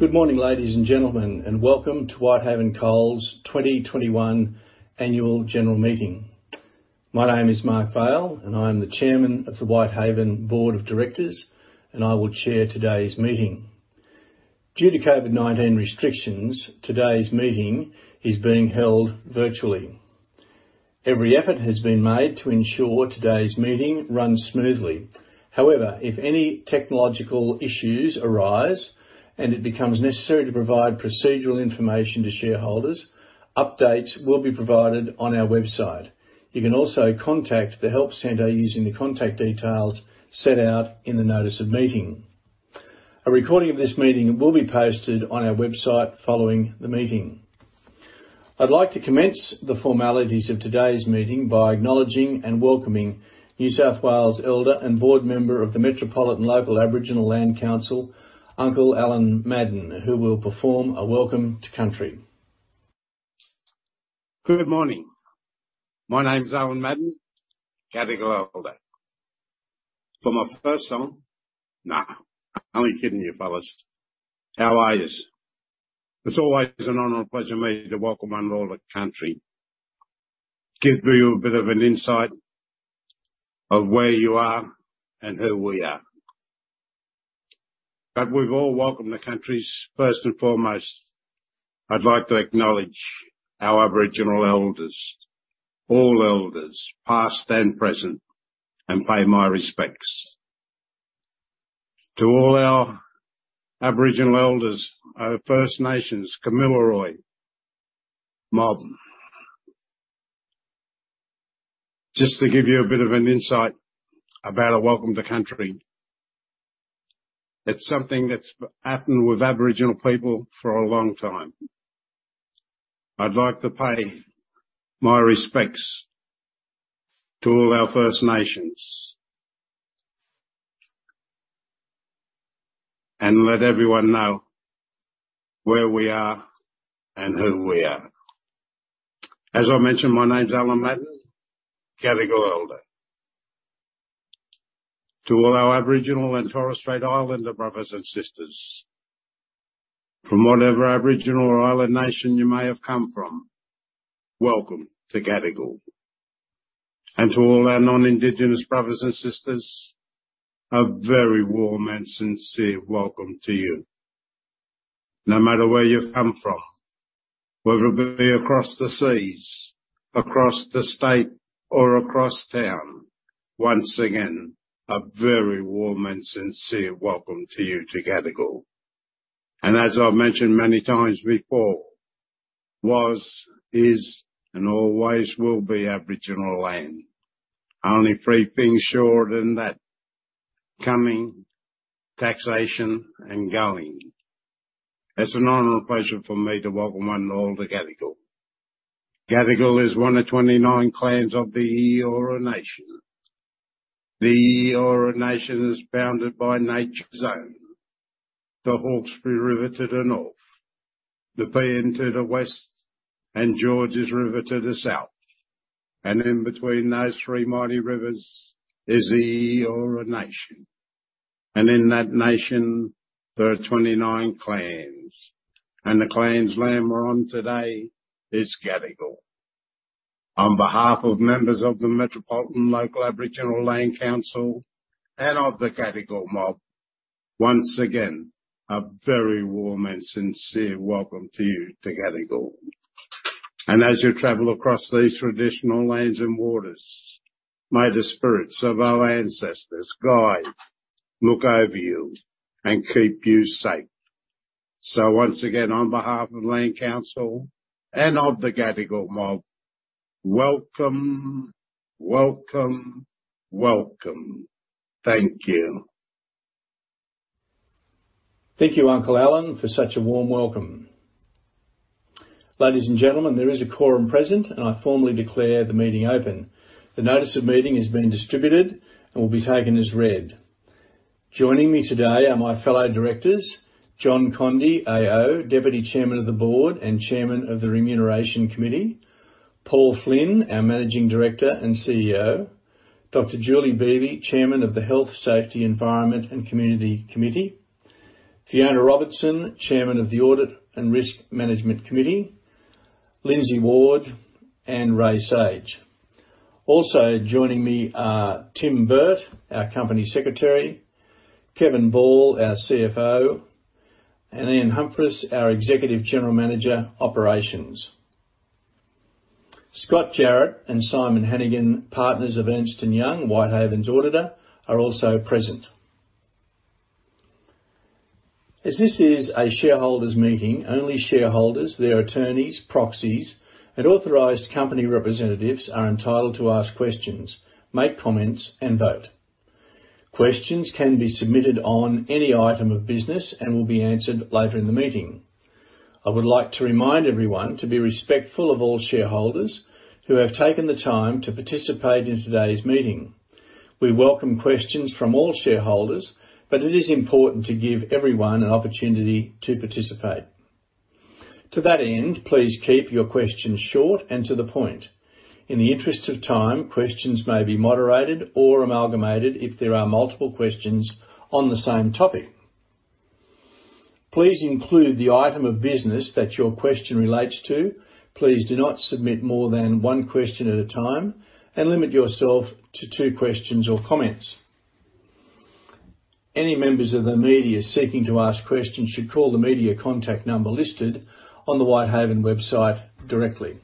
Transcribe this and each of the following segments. Good morning, ladies and gentlemen, and welcome to Whitehaven Coal's 2021 Annual General Meeting. My name is Mark Vaile, and I am the Chairman of the Whitehaven Board of Directors, and I will chair today's meeting. Due to COVID-19 restrictions, today's meeting is being held virtually. Every effort has been made to ensure today's meeting runs smoothly. However, if any technological issues arise and it becomes necessary to provide procedural information to shareholders, updates will be provided on our website. You can also contact the Help Centre using the contact details set out in the Notice of Meeting. A recording of this meeting will be posted on our website following the meeting. I'd like to commence the formalities of today's meeting by acknowledging and welcoming Gadigal Elder and Board Member of the Metropolitan Local Aboriginal Land Council, Uncle Allen Madden, who will perform a Welcome to Country. Good morning. My name's Allen Madden, Gadigal Elder. For my first song, nah, I'm only kidding you fellas, "How are yas?" It's always an honor and pleasure for me to welcome to Country. Give you a bit of an insight of where you are and who we are. But we've all welcomed the country. First and foremost, I'd like to acknowledge our Aboriginal Elders, all Elders, past and present, and pay my respects. To all our Aboriginal Elders, our First Nations, Kamilaroi Mob. Just to give you a bit of an insight about a Welcome to Country, it's something that's happened with Aboriginal people for a long time. I'd like to pay my respects to all our First Nations and let everyone know where we are and who we are. As I mentioned, my name's Allen Madden, Gadigal Elder. To all our Aboriginal and Torres Strait Islander brothers and sisters, from whatever Aboriginal or Island Nation you may have come from, welcome to Gadigal. And to all our non-Indigenous brothers and sisters, a very warm and sincere welcome to you. No matter where you've come from, whether it be across the seas, across the state, or across town, once again, a very warm and sincere welcome to you to Gadigal. And as I've mentioned many times before, was, is, and always will be Aboriginal land. Only three things short in that: coming, taxation, and going. It's an honour and pleasure for me to welcome Uncle to Gadigal. Gadigal is one of 29 clans of the Eora Nation. The Eora Nation is bounded by Nature's Own, the Hawkesbury River to the north, the Nepean to the west, and Georges River to the south. In between those three mighty rivers is the Eora Nation. In that nation, there are 29 clans. The clan's land we're on today is Gadigal. On behalf of members of the Metropolitan Local Aboriginal Land Council and of the Gadigal Mob, once again, a very warm and sincere welcome to you to Gadigal. As you travel across these traditional lands and waters, may the spirits of our ancestors guide, look over you, and keep you safe. Once again, on behalf of Land Council and of the Gadigal Mob, welcome, welcome, welcome. Thank you. Thank you, Uncle Allen, for such a warm welcome. Ladies and gentlemen, there is a quorum present, and I formally declare the meeting open. The Notice of Meeting has been distributed and will be taken as read. Joining me today are my fellow directors. John Conde, AO, Deputy Chairman of the Board and Chairman of the Remuneration Committee. Paul Flynn, our Managing Director and CEO. Dr. Julie Beeby, Chairman of the Health, Safety, Environment, and Community Committee. Fiona Robertson, Chairman of the Audit and Risk Management Committee. Lindsay Ward. And Ray Zage. Also joining me are Tim Burt, our Company Secretary. Kevin Ball, our CFO. And Ian Humphris, our Executive General Manager, Operations. Scott Jarrett and Simon Hannigan, Partners of Ernst & Young, Whitehaven's auditor, are also present. As this is a shareholders' meeting, only shareholders, their attorneys, proxies, and authorized company representatives are entitled to ask questions, make comments, and vote. Questions can be submitted on any item of business and will be answered later in the meeting. I would like to remind everyone to be respectful of all shareholders who have taken the time to participate in today's meeting. We welcome questions from all shareholders, but it is important to give everyone an opportunity to participate. To that end, please keep your questions short and to the point. In the interest of time, questions may be moderated or amalgamated if there are multiple questions on the same topic. Please include the item of business that your question relates to. Please do not submit more than one question at a time and limit yourself to two questions or comments. Any members of the media seeking to ask questions should call the media contact number listed on the Whitehaven website directly.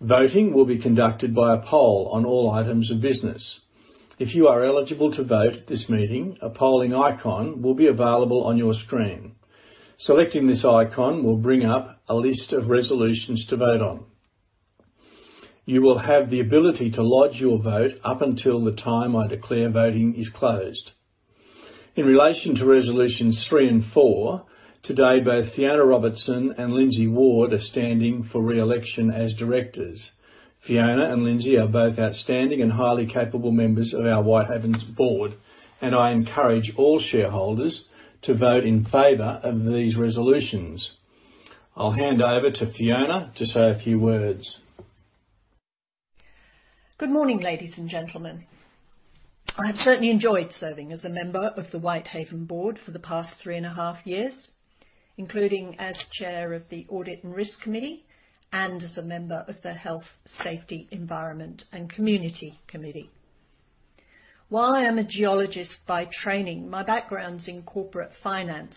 Voting will be conducted by a poll on all items of business. If you are eligible to vote at this meeting, a polling icon will be available on your screen. Selecting this icon will bring up a list of resolutions to vote on. You will have the ability to lodge your vote up until the time I declare voting is closed. In relation to resolutions three and four, today both Fiona Robertson and Lindsay Ward are standing for re-election as directors. Fiona and Lindsay are both outstanding and highly capable members of our Whitehaven Board, and I encourage all shareholders to vote in favor of these resolutions. I'll hand over to Fiona to say a few words. Good morning, ladies and gentlemen. I have certainly enjoyed serving as a member of the Whitehaven Board for the past three and a half years, including as Chair of the Audit and Risk Committee and as a member of the Health, Safety, Environment, and Community Committee. While I am a geologist by training, my background's in corporate finance,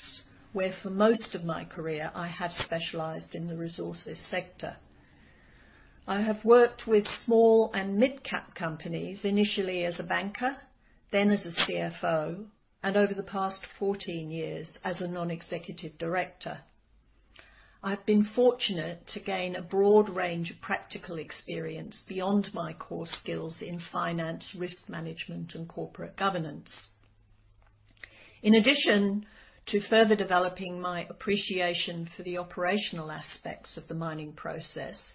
where for most of my career I have specialized in the resources sector. I have worked with small and mid-cap companies, initially as a banker, then as a CFO, and over the past 14 years as a non-executive director. I've been fortunate to gain a broad range of practical experience beyond my core skills in finance, risk management, and corporate governance. In addition to further developing my appreciation for the operational aspects of the mining process,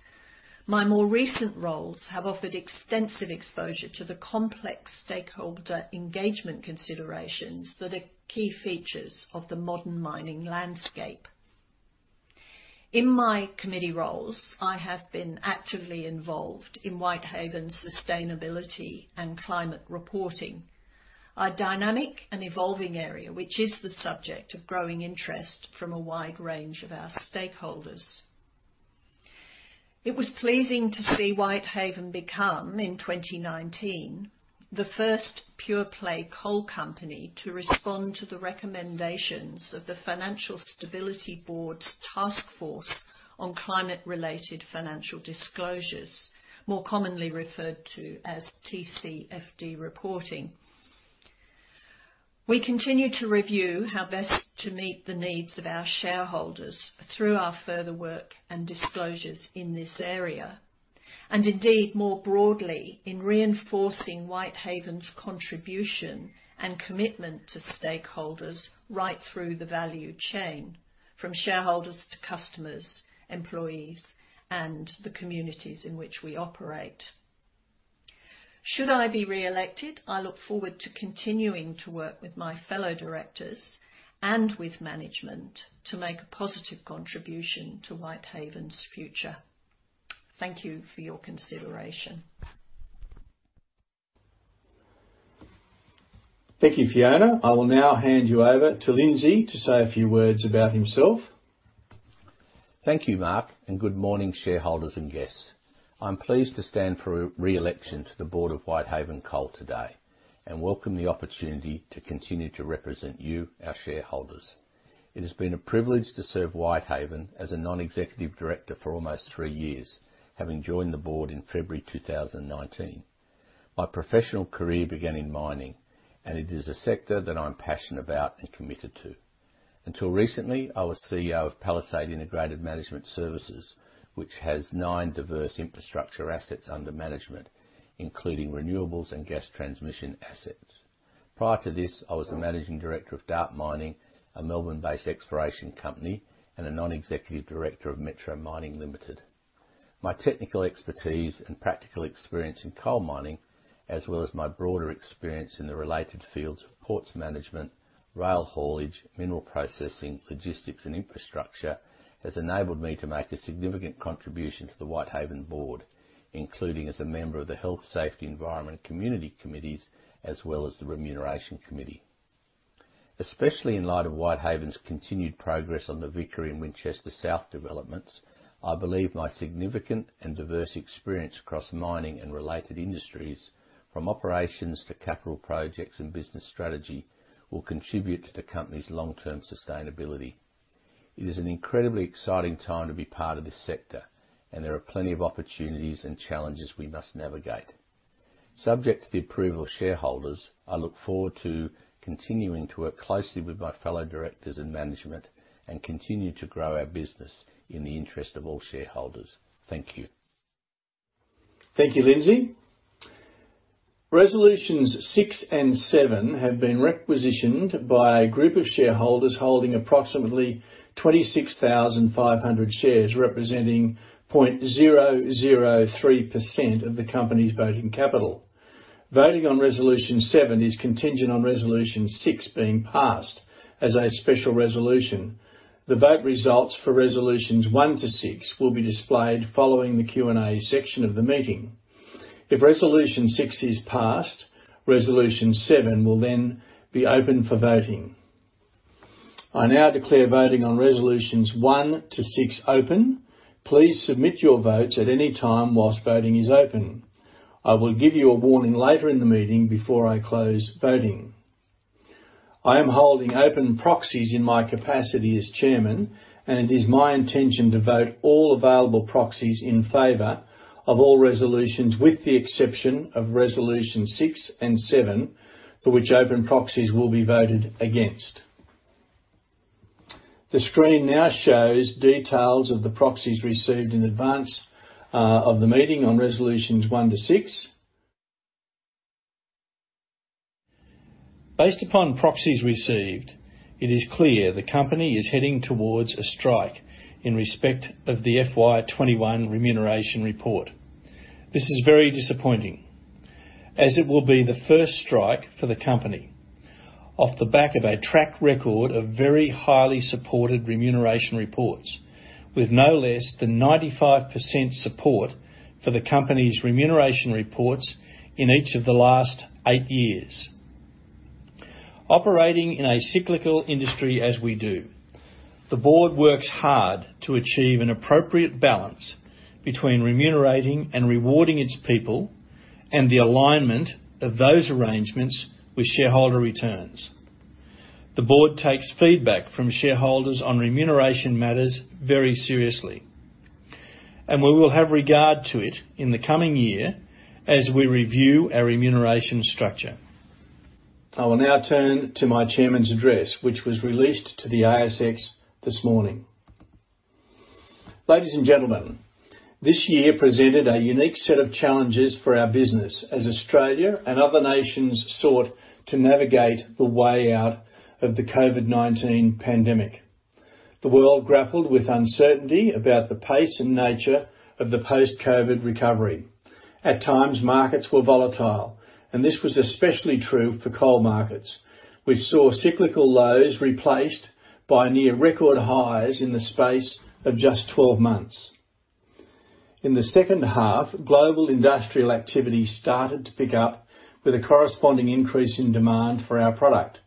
my more recent roles have offered extensive exposure to the complex stakeholder engagement considerations that are key features of the modern mining landscape. In my committee roles, I have been actively involved in Whitehaven's sustainability and climate reporting, a dynamic and evolving area which is the subject of growing interest from a wide range of our stakeholders. It was pleasing to see Whitehaven become, in 2019, the first pure-play coal company to respond to the recommendations of the Financial Stability Board's Task Force on Climate-related Financial Disclosures, more commonly referred to as TCFD reporting. We continue to review how best to meet the needs of our shareholders through our further work and disclosures in this area, and indeed more broadly in reinforcing Whitehaven's contribution and commitment to stakeholders right through the value chain, from shareholders to customers, employees, and the communities in which we operate. Should I be re-elected, I look forward to continuing to work with my fellow directors and with management to make a positive contribution to Whitehaven's future. Thank you for your consideration. Thank you, Fiona. I will now hand you over to Lindsay to say a few words about himself. Thank you, Mark, and good morning, shareholders and guests. I'm pleased to stand for re-election to the Board of Whitehaven Coal today and welcome the opportunity to continue to represent you, our shareholders. It has been a privilege to serve Whitehaven as a non-executive director for almost three years, having joined the board in February 2019. My professional career began in mining, and it is a sector that I'm passionate about and committed to. Until recently, I was CEO of Palisade Integrated Management Services, which has nine diverse infrastructure assets under management, including renewables and gas transmission assets. Prior to this, I was the Managing Director of Dart Mining, a Melbourne-based exploration company, and a non-executive director of Metro Mining Limited. My technical expertise and practical experience in coal mining, as well as my broader experience in the related fields of ports management, rail haulage, mineral processing, logistics, and infrastructure, has enabled me to make a significant contribution to the Whitehaven Board, including as a member of the Health, Safety, Environment, and Community Committees, as well as the Remuneration Committee. Especially in light of Whitehaven's continued progress on the Vickery and Winchester South developments, I believe my significant and diverse experience across mining and related industries, from operations to capital projects and business strategy, will contribute to the company's long-term sustainability. It is an incredibly exciting time to be part of this sector, and there are plenty of opportunities and challenges we must navigate. Subject to the approval of shareholders, I look forward to continuing to work closely with my fellow directors and management and continue to grow our business in the interest of all shareholders. Thank you. Thank you, Lindsay. Resolutions six and seven have been requisitioned by a group of shareholders holding approximately 26,500 shares, representing 0.003% of the company's voting capital. Voting on Resolution seven is contingent on Resolution six being passed as a special resolution. The vote results for Resolutions one to six will be displayed following the Q&A section of the meeting. If Resolution six is passed, Resolution seven will then be open for voting. I now declare voting on Resolutions one to six open. Please submit your votes at any time whilst voting is open. I will give you a warning later in the meeting before I close voting. I am holding open proxies in my capacity as Chairman, and it is my intention to vote all available proxies in favour of all resolutions, with the exception of Resolution six and seven, for which open proxies will be voted against. The screen now shows details of the proxies received in advance of the meeting on Resolutions one to six. Based upon proxies received, it is clear the company is heading towards a strike in respect of the FY 2021 remuneration report. This is very disappointing, as it will be the first strike for the company off the back of a track record of very highly supported remuneration reports, with no less than 95% support for the company's remuneration reports in each of the last eight years. Operating in a cyclical industry as we do, the Board works hard to achieve an appropriate balance between remunerating and rewarding its people and the alignment of those arrangements with shareholder returns. The Board takes feedback from shareholders on remuneration matters very seriously, and we will have regard to it in the coming year as we review our remuneration structure. I will now turn to my Chairman's address, which was released to the ASX this morning. Ladies and gentlemen, this year presented a unique set of challenges for our business as Australia and other nations sought to navigate the way out of the COVID-19 pandemic. The world grappled with uncertainty about the pace and nature of the post-COVID recovery. At times, markets were volatile, and this was especially true for coal markets, which saw cyclical lows replaced by near-record highs in the space of just 12 months. In the second half, global industrial activity started to pick up with a corresponding increase in demand for our product.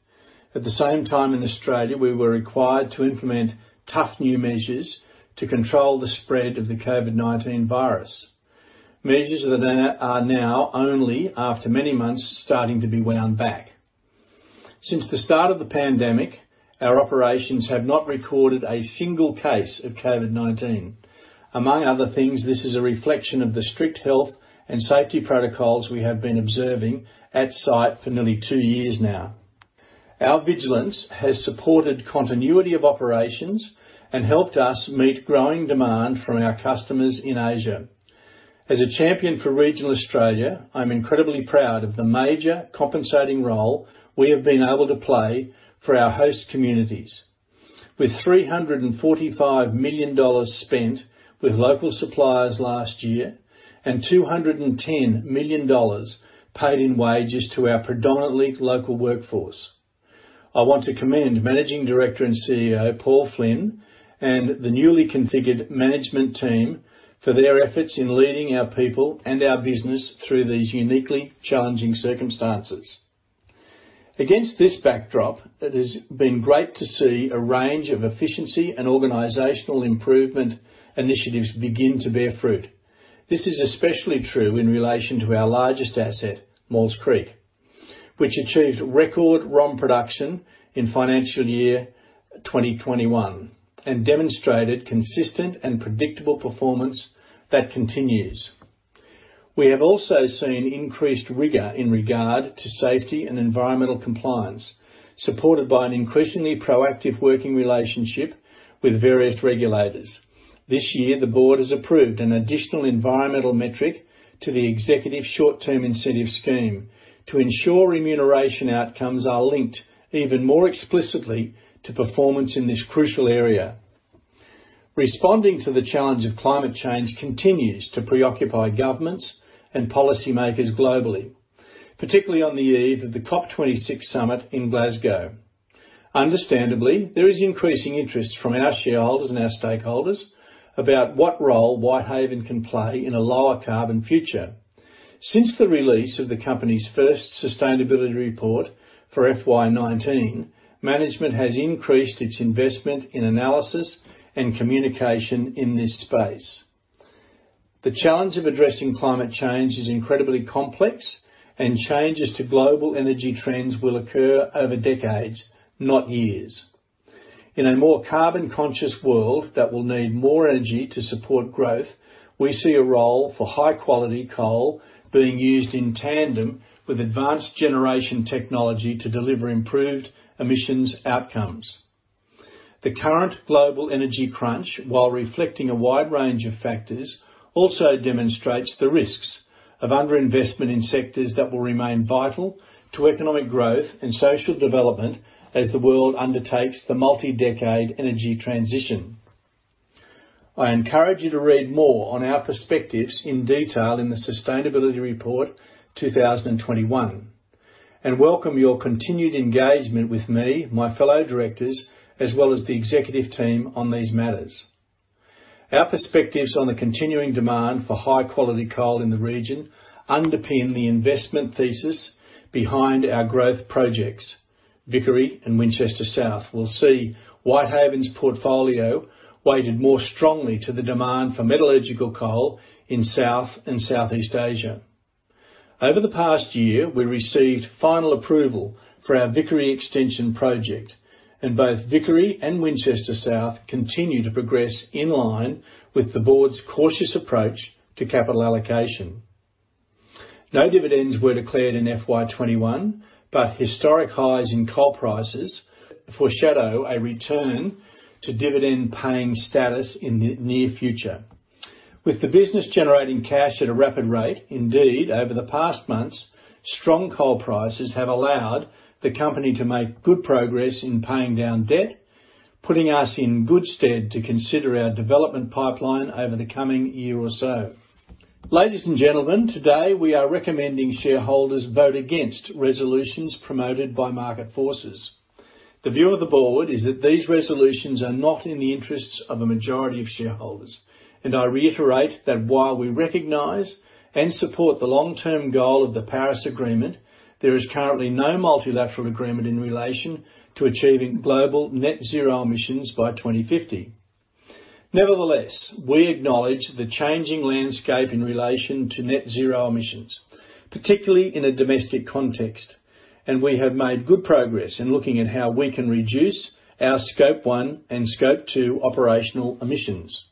At the same time, in Australia, we were required to implement tough new measures to control the spread of the COVID-19 virus. Measures that are now only, after many months, starting to be wound back. Since the start of the pandemic, our operations have not recorded a single case of COVID-19. Among other things, this is a reflection of the strict health and safety protocols we have been observing at site for nearly two years now. Our vigilance has supported continuity of operations and helped us meet growing demand from our customers in Asia. As a champion for regional Australia, I'm incredibly proud of the major compensating role we have been able to play for our host communities, with 345 million dollars spent with local suppliers last year and 210 million dollars paid in wages to our predominantly local workforce. I want to commend Managing Director and CEO Paul Flynn and the newly configured management team for their efforts in leading our people and our business through these uniquely challenging circumstances. Against this backdrop, it has been great to see a range of efficiency and organizational improvement initiatives begin to bear fruit. This is especially true in relation to our largest asset, Maules Creek, which achieved record ROM production in financial year 2021 and demonstrated consistent and predictable performance that continues. We have also seen increased rigour in regard to safety and environmental compliance, supported by an increasingly proactive working relationship with various regulators. This year, the Board has approved an additional environmental metric to the Executive Short-Term Incentive Scheme to ensure remuneration outcomes are linked even more explicitly to performance in this crucial area. Responding to the challenge of climate change continues to preoccupy governments and policymakers globally, particularly on the eve of the COP26 summit in Glasgow. Understandably, there is increasing interest from our shareholders and our stakeholders about what role Whitehaven can play in a lower carbon future. Since the release of the company's first sustainability report for FY19, management has increased its investment in analysis and communication in this space. The challenge of addressing climate change is incredibly complex, and changes to global energy trends will occur over decades, not years. In a more carbon-conscious world that will need more energy to support growth, we see a role for high-quality coal being used in tandem with advanced generation technology to deliver improved emissions outcomes. The current global energy crunch, while reflecting a wide range of factors, also demonstrates the risks of underinvestment in sectors that will remain vital to economic growth and social development as the world undertakes the multi-decade energy transition. I encourage you to read more on our perspectives in detail in the Sustainability Report 2021 and welcome your continued engagement with me, my fellow directors, as well as the executive team on these matters. Our perspectives on the continuing demand for high-quality coal in the region underpin the investment thesis behind our growth projects. Vickery and Winchester South will see Whitehaven's portfolio weighted more strongly to the demand for metallurgical coal in South and Southeast Asia. Over the past year, we received final approval for our Vickery Extension project, and both Vickery and Winchester South continue to progress in line with the Board's cautious approach to capital allocation. No dividends were declared in FY21, but historic highs in coal prices foreshadow a return to dividend-paying status in the near future. With the business generating cash at a rapid rate, indeed, over the past months, strong coal prices have allowed the company to make good progress in paying down debt, putting us in good stead to consider our development pipeline over the coming year or so. Ladies and gentlemen, today we are recommending shareholders vote against resolutions promoted by Market Forces. The view of the Board is that these resolutions are not in the interests of a majority of shareholders, and I reiterate that while we recognize and support the long-term goal of the Paris Agreement, there is currently no multilateral agreement in relation to achieving global net-zero emissions by 2050. Nevertheless, we acknowledge the changing landscape in relation to net-zero emissions, particularly in a domestic context, and we have made good progress in looking at how we can reduce our Scope One and Scope Two operational emissions.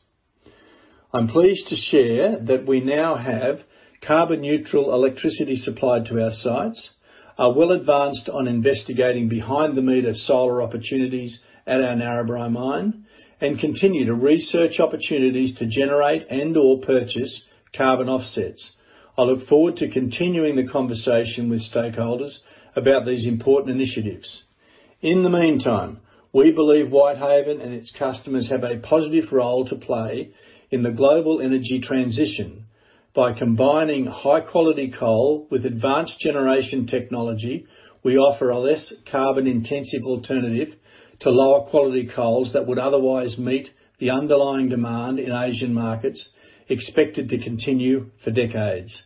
I'm pleased to share that we now have carbon-neutral electricity supplied to our sites, are well advanced on investigating behind-the-meter solar opportunities at our Narrabri mine, and continue to research opportunities to generate and/or purchase carbon offsets. I look forward to continuing the conversation with stakeholders about these important initiatives. In the meantime, we believe Whitehaven and its customers have a positive role to play in the global energy transition. By combining high-quality coal with advanced generation technology, we offer a less carbon-intensive alternative to lower-quality coals that would otherwise meet the underlying demand in Asian markets expected to continue for decades.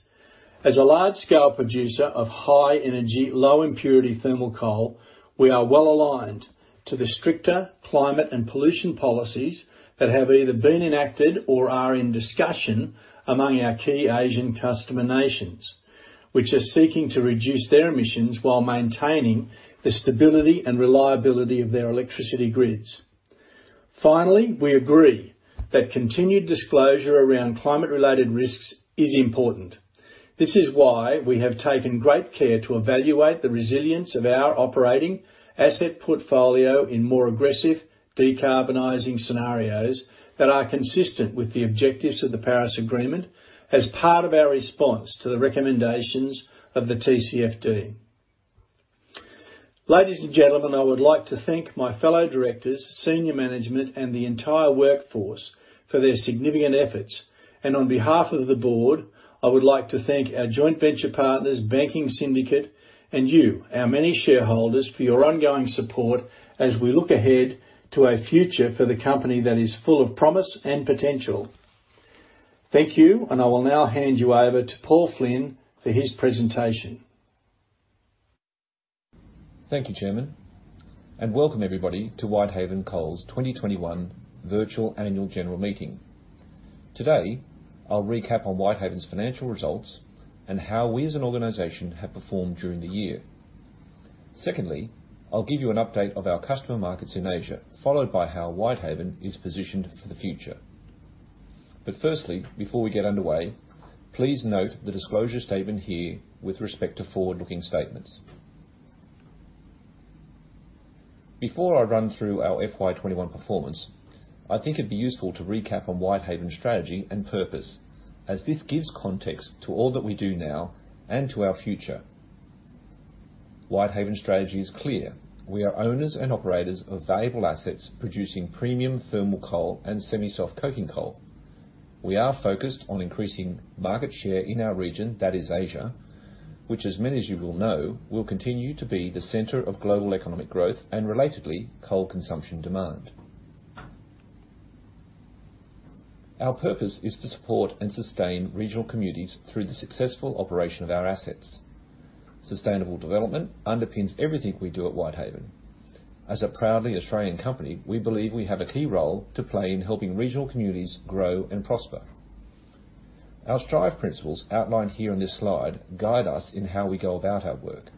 As a large-scale producer of high-energy, low-impurity thermal coal, we are well aligned to the stricter climate and pollution policies that have either been enacted or are in discussion among our key Asian customer nations, which are seeking to reduce their emissions while maintaining the stability and reliability of their electricity grids. Finally, we agree that continued disclosure around climate-related risks is important. This is why we have taken great care to evaluate the resilience of our operating asset portfolio in more aggressive decarbonizing scenarios that are consistent with the objectives of the Paris Agreement as part of our response to the recommendations of the TCFD. Ladies and gentlemen, I would like to thank my fellow directors, senior management, and the entire workforce for their significant efforts. And on behalf of the Board, I would like to thank our joint venture partners, banking syndicate, and you, our many shareholders, for your ongoing support as we look ahead to a future for the company that is full of promise and potential. Thank you, and I will now hand you over to Paul Flynn for his presentation. Thank you, Chairman, and welcome everybody to Whitehaven Coal's 2021 Virtual Annual General Meeting. Today, I'll recap on Whitehaven's financial results and how we, as an organization, have performed during the year. Secondly, I'll give you an update of our customer markets in Asia, followed by how Whitehaven is positioned for the future. But firstly, before we get underway, please note the disclosure statement here with respect to forward-looking statements. Before I run through our FY21 performance, I think it'd be useful to recap on Whitehaven's strategy and purpose, as this gives context to all that we do now and to our future. Whitehaven's strategy is clear. We are owners and operators of valuable assets producing premium thermal coal and semi-soft coking coal. We are focused on increasing market share in our region, that is, Asia, which, as many of you will know, will continue to be the center of global economic growth and, relatedly, coal consumption demand. Our purpose is to support and sustain regional communities through the successful operation of our assets. Sustainable development underpins everything we do at Whitehaven. As a proudly Australian company, we believe we have a key role to play in helping regional communities grow and prosper. Our STRIVE principles, outlined here on this slide, guide us in how we go about our work.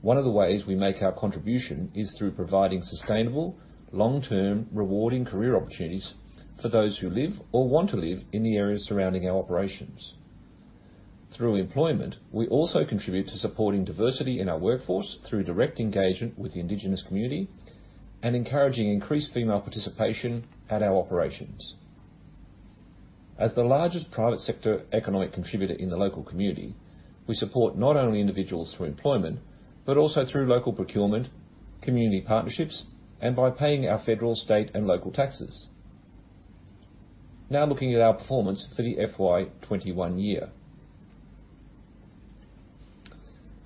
One of the ways we make our contribution is through providing sustainable, long-term, rewarding career opportunities for those who live or want to live in the areas surrounding our operations. Through employment, we also contribute to supporting diversity in our workforce through direct engagement with the Indigenous community and encouraging increased female participation at our operations. As the largest private-sector economic contributor in the local community, we support not only individuals through employment but also through local procurement, community partnerships, and by paying our federal, state, and local taxes. Now, looking at our performance for the FY21 year,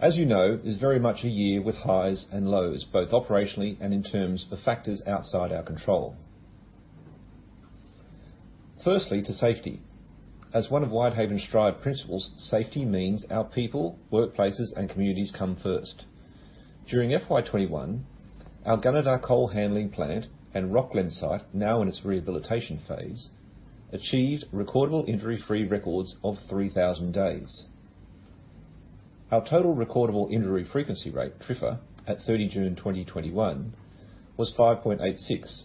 as you know, is very much a year with highs and lows, both operationally and in terms of factors outside our control. Firstly, to safety. As one of Whitehaven's STRIVE principles, safety means our people, workplaces, and communities come first. During FY21, our Gunnedah Coal Handling Plant and Rocglen site, now in its rehabilitation phase, achieved recordable injury-free records of 3,000 days. Our total recordable injury frequency rate, TRIFR, at 30 June 2021 was 5.86,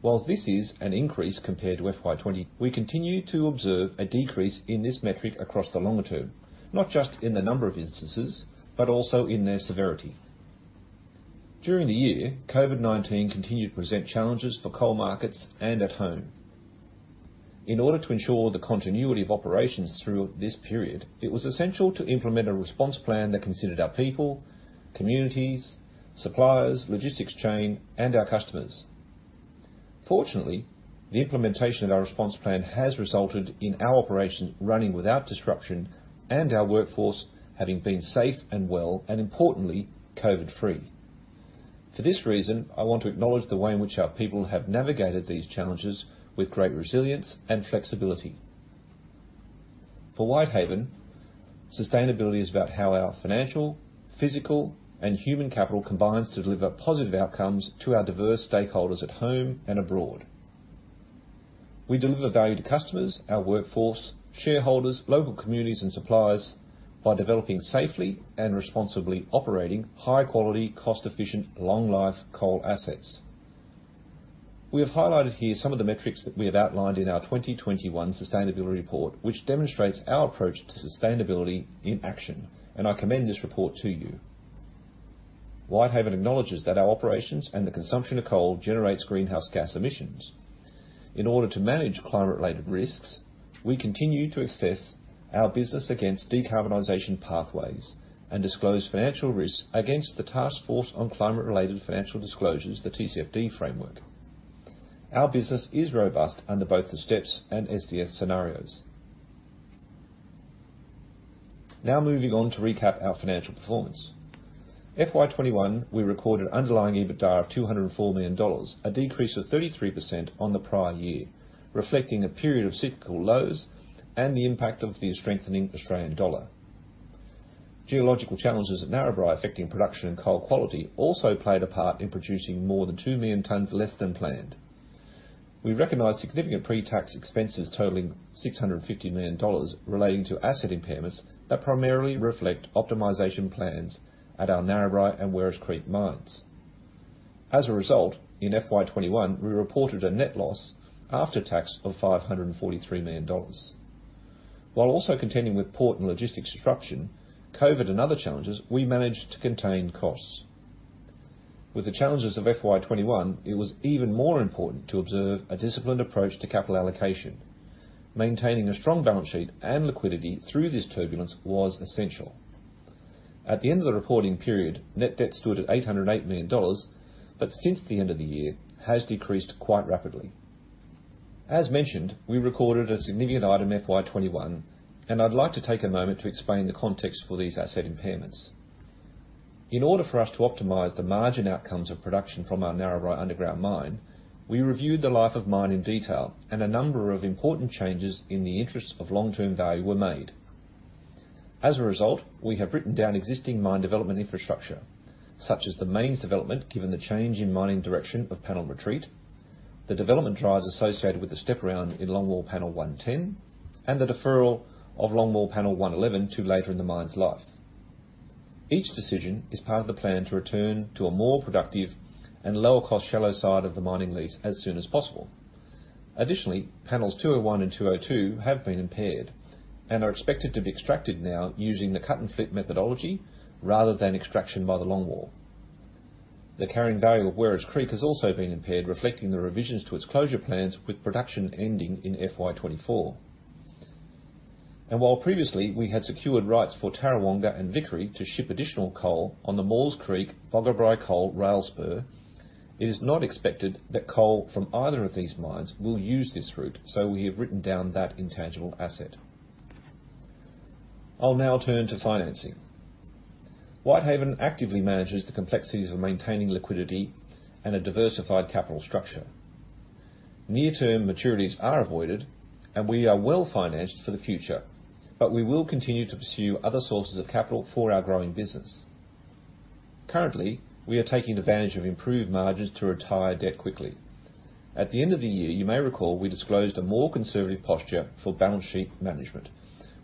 while this is an increase compared to FY20. We continue to observe a decrease in this metric across the longer term, not just in the number of instances but also in their severity. During the year, COVID-19 continued to present challenges for coal markets and at home. In order to ensure the continuity of operations through this period, it was essential to implement a response plan that considered our people, communities, suppliers, logistics chain, and our customers. Fortunately, the implementation of our response plan has resulted in our operations running without disruption and our workforce having been safe and well, and importantly, COVID-free. For this reason, I want to acknowledge the way in which our people have navigated these challenges with great resilience and flexibility. For Whitehaven, sustainability is about how our financial, physical, and human capital combines to deliver positive outcomes to our diverse stakeholders at home and abroad. We deliver value to customers, our workforce, shareholders, local communities, and suppliers by developing safely and responsibly operating high-quality, cost-efficient, long-life coal assets. We have highlighted here some of the metrics that we have outlined in our 2021 Sustainability Report, which demonstrates our approach to sustainability in action, and I commend this report to you. Whitehaven acknowledges that our operations and the consumption of coal generates greenhouse gas emissions. In order to manage climate-related risks, we continue to assess our business against decarbonization pathways and disclose financial risks against the Task Force on Climate-Related Financial Disclosures, the TCFD framework. Our business is robust under both the STEPS and SDS scenarios. Now, moving on to recap our financial performance. FY21, we recorded an underlying EBITDA of 204 million dollars, a decrease of 33% on the prior year, reflecting a period of cyclical lows and the impact of the strengthening Australian dollar. Geological challenges at Narrabri affecting production and coal quality also played a part in producing more than 2 million tons less than planned. We recognized significant pre-tax expenses totaling 650 million dollars relating to asset impairments that primarily reflect optimization plans at our Narrabri and Werris Creek mines. As a result, in FY21, we reported a net loss after tax of 543 million dollars. While also contending with port and logistics disruption, COVID, and other challenges, we managed to contain costs. With the challenges of FY21, it was even more important to observe a disciplined approach to capital allocation. Maintaining a strong balance sheet and liquidity through this turbulence was essential. At the end of the reporting period, net debt stood at 808 million dollars, but since the end of the year, it has decreased quite rapidly. As mentioned, we recorded a significant item in FY21, and I'd like to take a moment to explain the context for these asset impairments. In order for us to optimize the margin outcomes of production from our Narrabri underground mine, we reviewed the life of mine in detail, and a number of important changes in the interests of long-term value were made. As a result, we have written down existing mine development infrastructure, such as the mains development given the change in mining direction of panel retreat, the development drives associated with the step-around in Longwall Panel 110, and the deferral of Longwall Panel 111 to later in the mine's life. Each decision is part of the plan to return to a more productive and lower-cost shallow side of the mining lease as soon as possible. Additionally, panels 201 and 202 have been impaired and are expected to be extracted now using the cut-and-flip methodology rather than extraction by the longwall. The carrying value of Werris Creek has also been impaired, reflecting the revisions to its closure plans with production ending in FY24. And while previously we had secured rights for Tarrawonga and Vickery to ship additional coal on the Maules Creek-Boggabri Coal Rail Spur, it is not expected that coal from either of these mines will use this route, so we have written down that intangible asset. I'll now turn to financing. Whitehaven actively manages the complexities of maintaining liquidity and a diversified capital structure. Near-term maturities are avoided, and we are well-financed for the future, but we will continue to pursue other sources of capital for our growing business. Currently, we are taking advantage of improved margins to retire debt quickly. At the end of the year, you may recall we disclosed a more conservative posture for balance sheet management,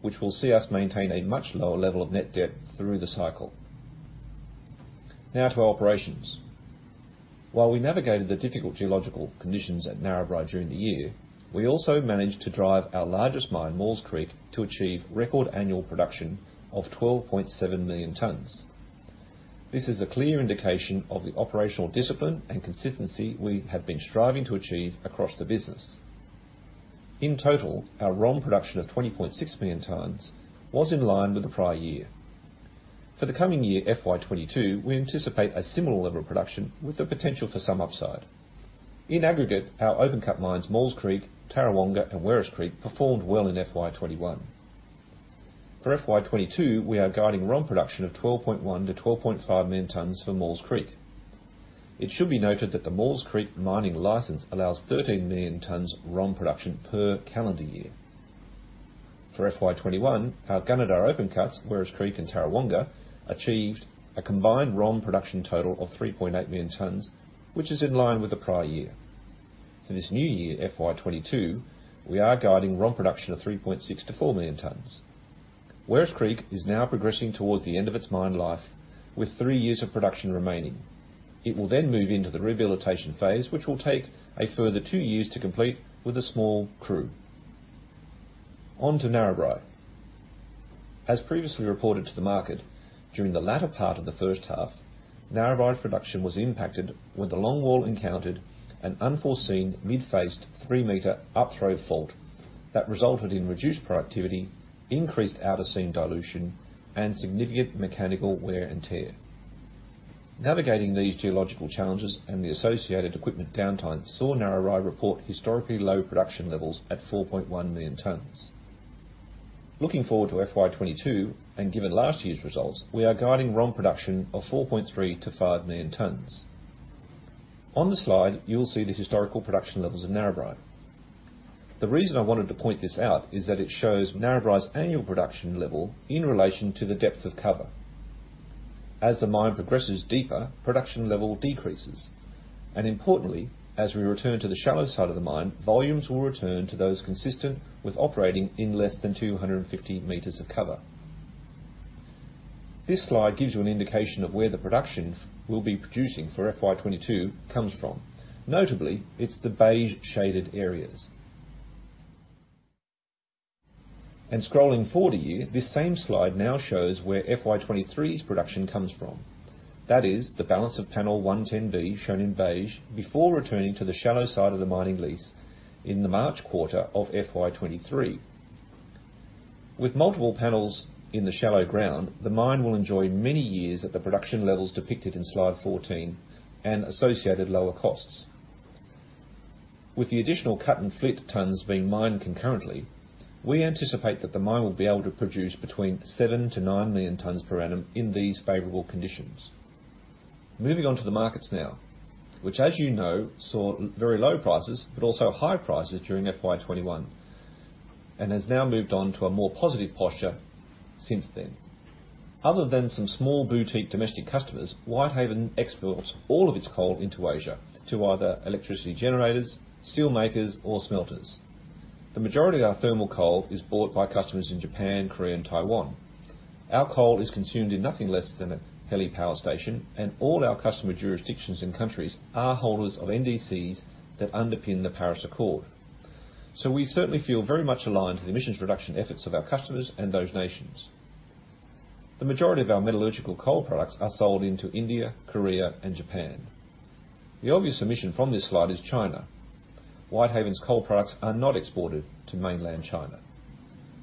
which will see us maintain a much lower level of net debt through the cycle. Now to our operations. While we navigated the difficult geological conditions at Narrabri during the year, we also managed to drive our largest mine, Maules Creek, to achieve record annual production of 12.7 million tonnes. This is a clear indication of the operational discipline and consistency we have been striving to achieve across the business. In total, our ROM production of 20.6 million tonnes was in line with the prior year. For the coming year, FY22, we anticipate a similar level of production with the potential for some upside. In aggregate, our open-cut mines, Maules Creek, Tarrawonga, and Werris Creek, performed well in FY21. For FY22, we are guiding ROM production of 12.1-12.5 million tonnes for Maules Creek. It should be noted that the Maules Creek mining license allows 13 million tonnes ROM production per calendar year. For FY21, our Gunnedah open-cuts, Werris Creek, and Tarrawonga achieved a combined ROM production total of 3.8 million tonnes, which is in line with the prior year. For this new year, FY22, we are guiding ROM production of 3.6-4 million tonnes. Werris Creek is now progressing towards the end of its mine life with three years of production remaining. It will then move into the rehabilitation phase, which will take a further two years to complete with a small crew. On to Narrabri. As previously reported to the market, during the latter part of the first half, Narrabri's production was impacted when the longwall encountered an unforeseen mid-face three-meter upthrow fault that resulted in reduced productivity, increased out-of-seam dilution, and significant mechanical wear and tear. Navigating these geological challenges and the associated equipment downtime saw Narrabri report historically low production levels at 4.1 million tonnes. Looking forward to FY22, and given last year's results, we are guiding ROM production of 4.3-5 million tonnes. On the slide, you will see the historical production levels in Narrabri. The reason I wanted to point this out is that it shows Narrabri's annual production level in relation to the depth of cover. As the mine progresses deeper, production level decreases. And importantly, as we return to the shallow side of the mine, volumes will return to those consistent with operating in less than 250 meters of cover. This slide gives you an indication of where the production we'll be producing for FY22 comes from. Notably, it's the beige shaded areas. And scrolling forward a year, this same slide now shows where FY23's production comes from. That is, the balance of panel 110B, shown in beige, before returning to the shallow side of the mining lease in the March quarter of FY23. With multiple panels in the shallow ground, the mine will enjoy many years at the production levels depicted in slide 14 and associated lower costs. With the additional cut-and-flip tonnes being mined concurrently, we anticipate that the mine will be able to produce between 7 to 9 million tonnes per annum in these favorable conditions. Moving on to the markets now, which, as you know, saw very low prices but also high prices during FY21 and has now moved on to a more positive posture since then. Other than some small boutique domestic customers, Whitehaven exports all of its coal into Asia to either electricity generators, steelmakers, or smelters. The majority of our thermal coal is bought by customers in Japan, Korea, and Taiwan. Our coal is consumed in nothing less than a HELE power station, and all our customer jurisdictions and countries are holders of NDCs that underpin the Paris Accord. So we certainly feel very much aligned to the emissions reduction efforts of our customers and those nations. The majority of our metallurgical coal products are sold into India, Korea, and Japan. The obvious omission from this slide is China. Whitehaven's coal products are not exported to mainland China.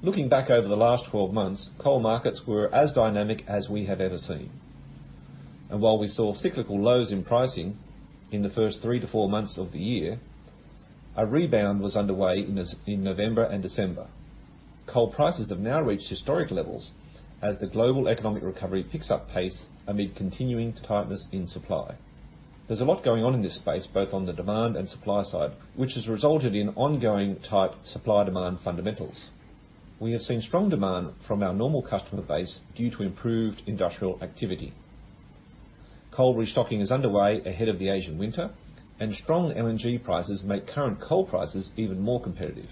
Looking back over the last 12 months, coal markets were as dynamic as we have ever seen. And while we saw cyclical lows in pricing in the first three to four months of the year, a rebound was underway in November and December. Coal prices have now reached historic levels as the global economic recovery picks up pace amid continuing tightness in supply. There's a lot going on in this space, both on the demand and supply side, which has resulted in ongoing tight supply-demand fundamentals. We have seen strong demand from our normal customer base due to improved industrial activity. Coal restocking is underway ahead of the Asian winter, and strong LNG prices make current coal prices even more competitive.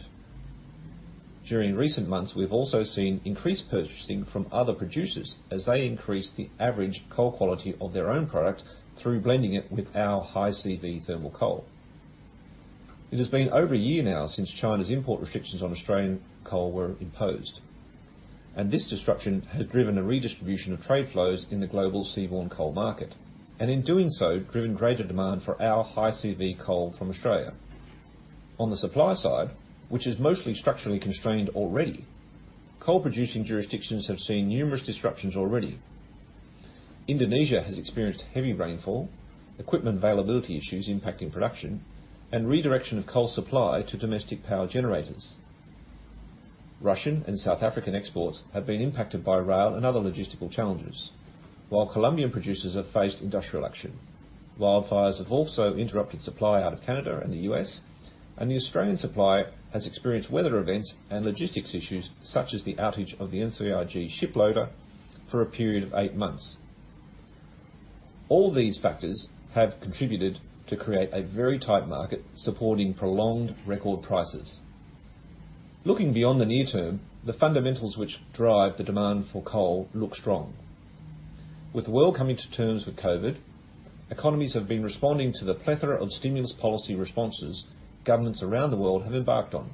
During recent months, we've also seen increased purchasing from other producers as they increase the average coal quality of their own product through blending it with our high-CV thermal coal. It has been over a year now since China's import restrictions on Australian coal were imposed, and this disruption has driven a redistribution of trade flows in the global seaborne coal market, and in doing so, driven greater demand for our high-CV coal from Australia. On the supply side, which is mostly structurally constrained already, coal-producing jurisdictions have seen numerous disruptions already. Indonesia has experienced heavy rainfall, equipment availability issues impacting production, and redirection of coal supply to domestic power generators. Russian and South African exports have been impacted by rail and other logistical challenges, while Colombian producers have faced industrial action. Wildfires have also interrupted supply out of Canada and the U.S., and the Australian supply has experienced weather events and logistics issues such as the outage of the NCIG ship loader for a period of eight months. All these factors have contributed to create a very tight market supporting prolonged record prices. Looking beyond the near term, the fundamentals which drive the demand for coal look strong. With the world coming to terms with COVID, economies have been responding to the plethora of stimulus policy responses governments around the world have embarked on.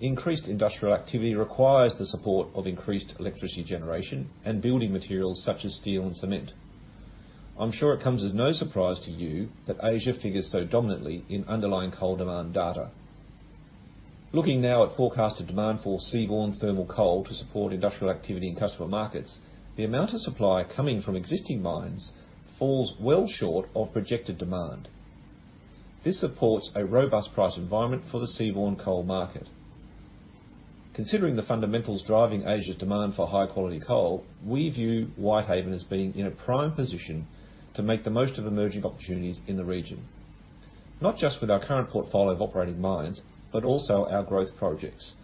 Increased industrial activity requires the support of increased electricity generation and building materials such as steel and cement. I'm sure it comes as no surprise to you that Asia figures so dominantly in underlying coal demand data. Looking now at forecasted demand for seaborne thermal coal to support industrial activity in customer markets, the amount of supply coming from existing mines falls well short of projected demand. This supports a robust price environment for the seaborne coal market. Considering the fundamentals driving Asia's demand for high-quality coal, we view Whitehaven as being in a prime position to make the most of emerging opportunities in the region, not just with our current portfolio of operating mines, but also our growth projects,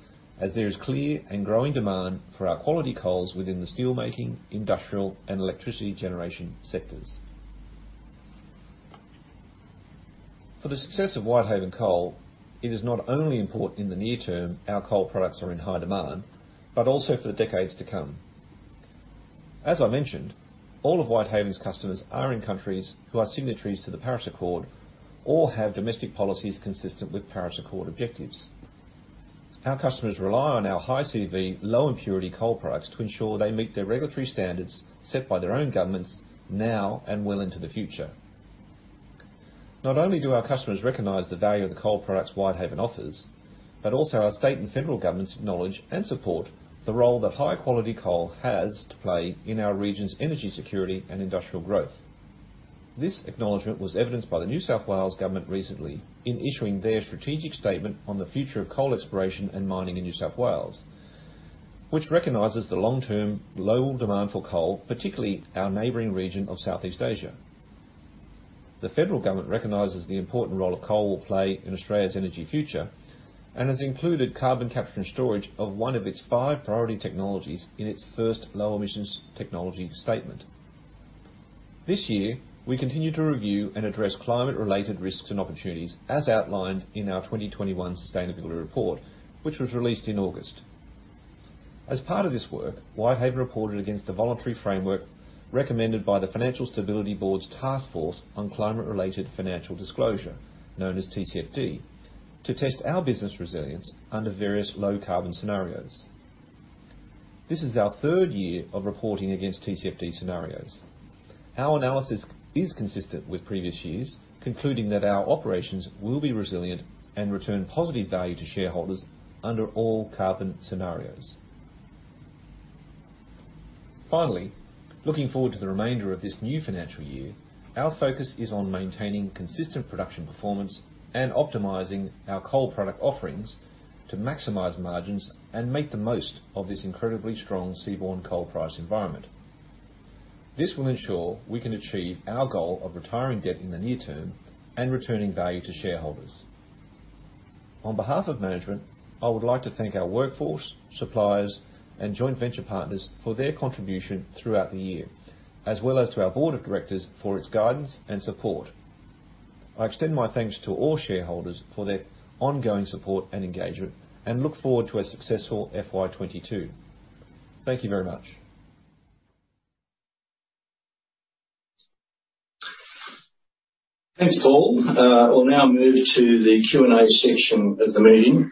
as there is clear and growing demand for our quality coals within the steelmaking, industrial, and electricity generation sectors. For the success of Whitehaven Coal, it is not only important in the near term our coal products are in high demand, but also for the decades to come. As I mentioned, all of Whitehaven's customers are in countries who are signatories to the Paris Accord or have domestic policies consistent with Paris Accord objectives. Our customers rely on our high-CV, low-impurity coal products to ensure they meet the regulatory standards set by their own governments now and well into the future. Not only do our customers recognize the value of the coal products Whitehaven offers, but also our state and federal governments acknowledge and support the role that high-quality coal has to play in our region's energy security and industrial growth. This acknowledgement was evidenced by the New South Wales government recently in issuing their strategic statement on the future of coal exploration and mining in New South Wales, which recognizes the long-term global demand for coal, particularly our neighboring region of Southeast Asia. The federal government recognizes the important role that coal will play in Australia's energy future and has included carbon capture and storage as one of its five priority technologies in its first low-emissions technology statement. This year, we continue to review and address climate-related risks and opportunities as outlined in our 2021 sustainability report, which was released in August. As part of this work, Whitehaven reported against the voluntary framework recommended by the Financial Stability Board's Task Force on Climate-related Financial Disclosures, known as TCFD, to test our business resilience under various low-carbon scenarios. This is our third year of reporting against TCFD scenarios. Our analysis is consistent with previous years, concluding that our operations will be resilient and return positive value to shareholders under all carbon scenarios. Finally, looking forward to the remainder of this new financial year, our focus is on maintaining consistent production performance and optimizing our coal product offerings to maximize margins and make the most of this incredibly strong seaborne coal price environment. This will ensure we can achieve our goal of retiring debt in the near term and returning value to shareholders. On behalf of management, I would like to thank our workforce, suppliers, and joint venture partners for their contribution throughout the year, as well as to our board of directors for its guidance and support. I extend my thanks to all shareholders for their ongoing support and engagement and look forward to a successful FY22. Thank you very much. Thanks, Paul. We'll now move to the Q&A section of the meeting.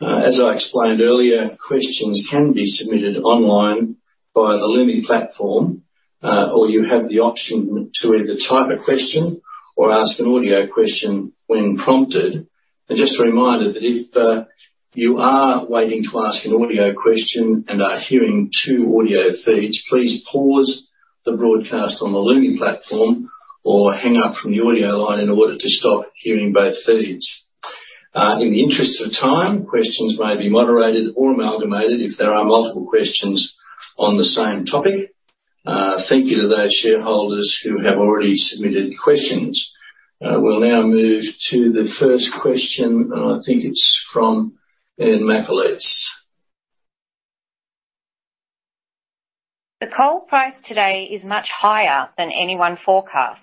As I explained earlier, questions can be submitted online via the Lumi platform, or you have the option to either type a question or ask an audio question when prompted. Just a reminder that if you are waiting to ask an audio question and are hearing two audio feeds, please pause the broadcast on the Lumi platform or hang up from the audio line in order to stop hearing both feeds. In the interest of time, questions may be moderated or amalgamated if there are multiple questions on the same topic. Thank you to those shareholders who have already submitted questions. We'll now move to the first question, and I think it's from Ann Macalitz. The coal price today is much higher than anyone forecast.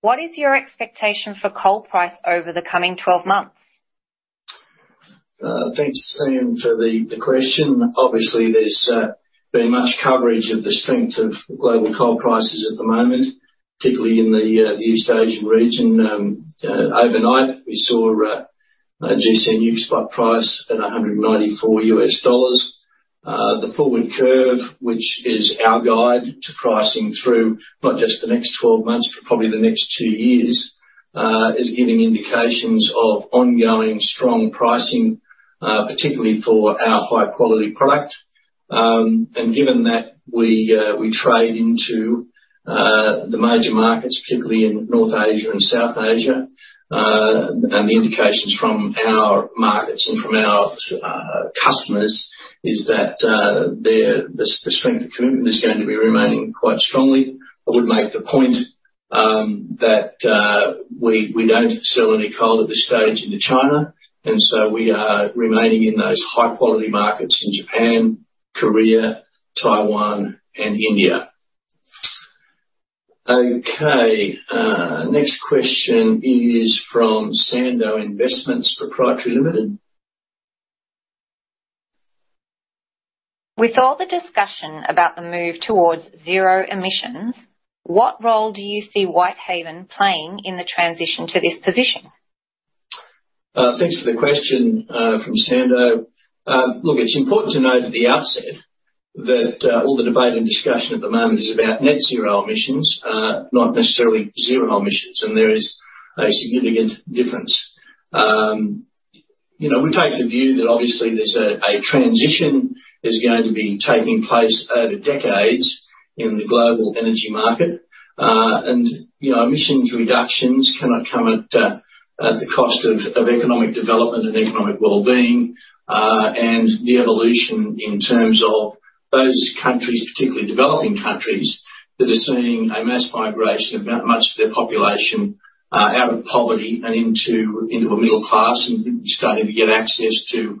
What is your expectation for coal price over the coming 12 months? Thanks, Ann, for the question. Obviously, there's been much coverage of the strength of global coal prices at the moment, particularly in the East Asian region. Overnight, we saw gC NEWC spot price at AUD 194. The forward curve, which is our guide to pricing through not just the next 12 months, but probably the next two years, is giving indications of ongoing strong pricing, particularly for our high-quality product. And given that we trade into the major markets, particularly in North Asia and South Asia, and the indications from our markets and from our customers is that the strength of commitment is going to be remaining quite strongly. I would make the point that we don't sell any coal at this stage into China, and so we are remaining in those high-quality markets in Japan, Korea, Taiwan, and India. Okay. Next question is from Sando Investments Pty Ltd. With all the discussion about the move toward zero emissions, what role do you see Whitehaven playing in the transition to this position? Thanks for the question from Sando. Look, it's important to note at the outset that all the debate and discussion at the moment is about net zero emissions, not necessarily zero emissions, and there is a significant difference. We take the view that obviously there's a transition that's going to be taking place over decades in the global energy market, and emissions reductions cannot come at the cost of economic development and economic well-being, and the evolution in terms of those countries, particularly developing countries, that are seeing a mass migration of much of their population out of poverty and into a middle class and starting to get access to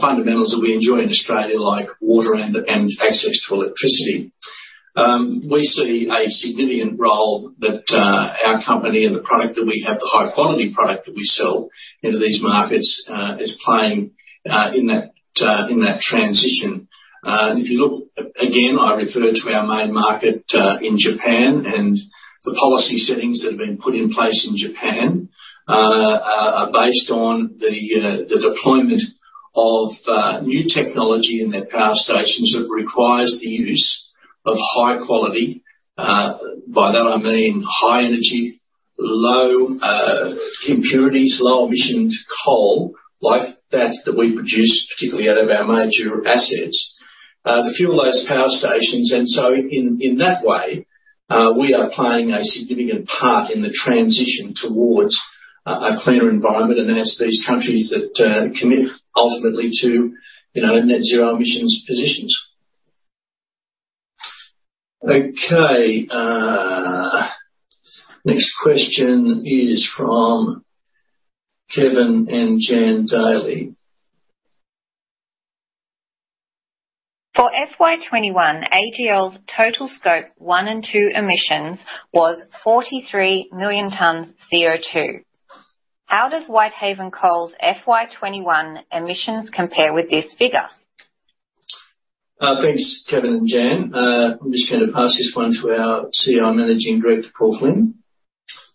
fundamentals that we enjoy in Australia, like water and access to electricity. We see a significant role that our company and the product that we have, the high-quality product that we sell into these markets, is playing in that transition. If you look again, I refer to our main market in Japan, and the policy settings that have been put in place in Japan are based on the deployment of new technology in their power stations that requires the use of high quality. By that, I mean high-energy, low impurities, low-emission coal like that we produce, particularly out of our major assets, to fuel those power stations. And so in that way, we are playing a significant part in the transition towards a cleaner environment and as these countries that commit ultimately to net zero emissions positions. Okay. Next question is from Kevin and Jan Daly. For FY21, AGL's total Scope 1 and 2 emissions was 43 million tons CO2. How does Whitehaven Coal's FY21 emissions compare with this figure? Thanks, Kevin and Jan. I'm just going to pass this one to our CEO Managing Director, Paul Flynn.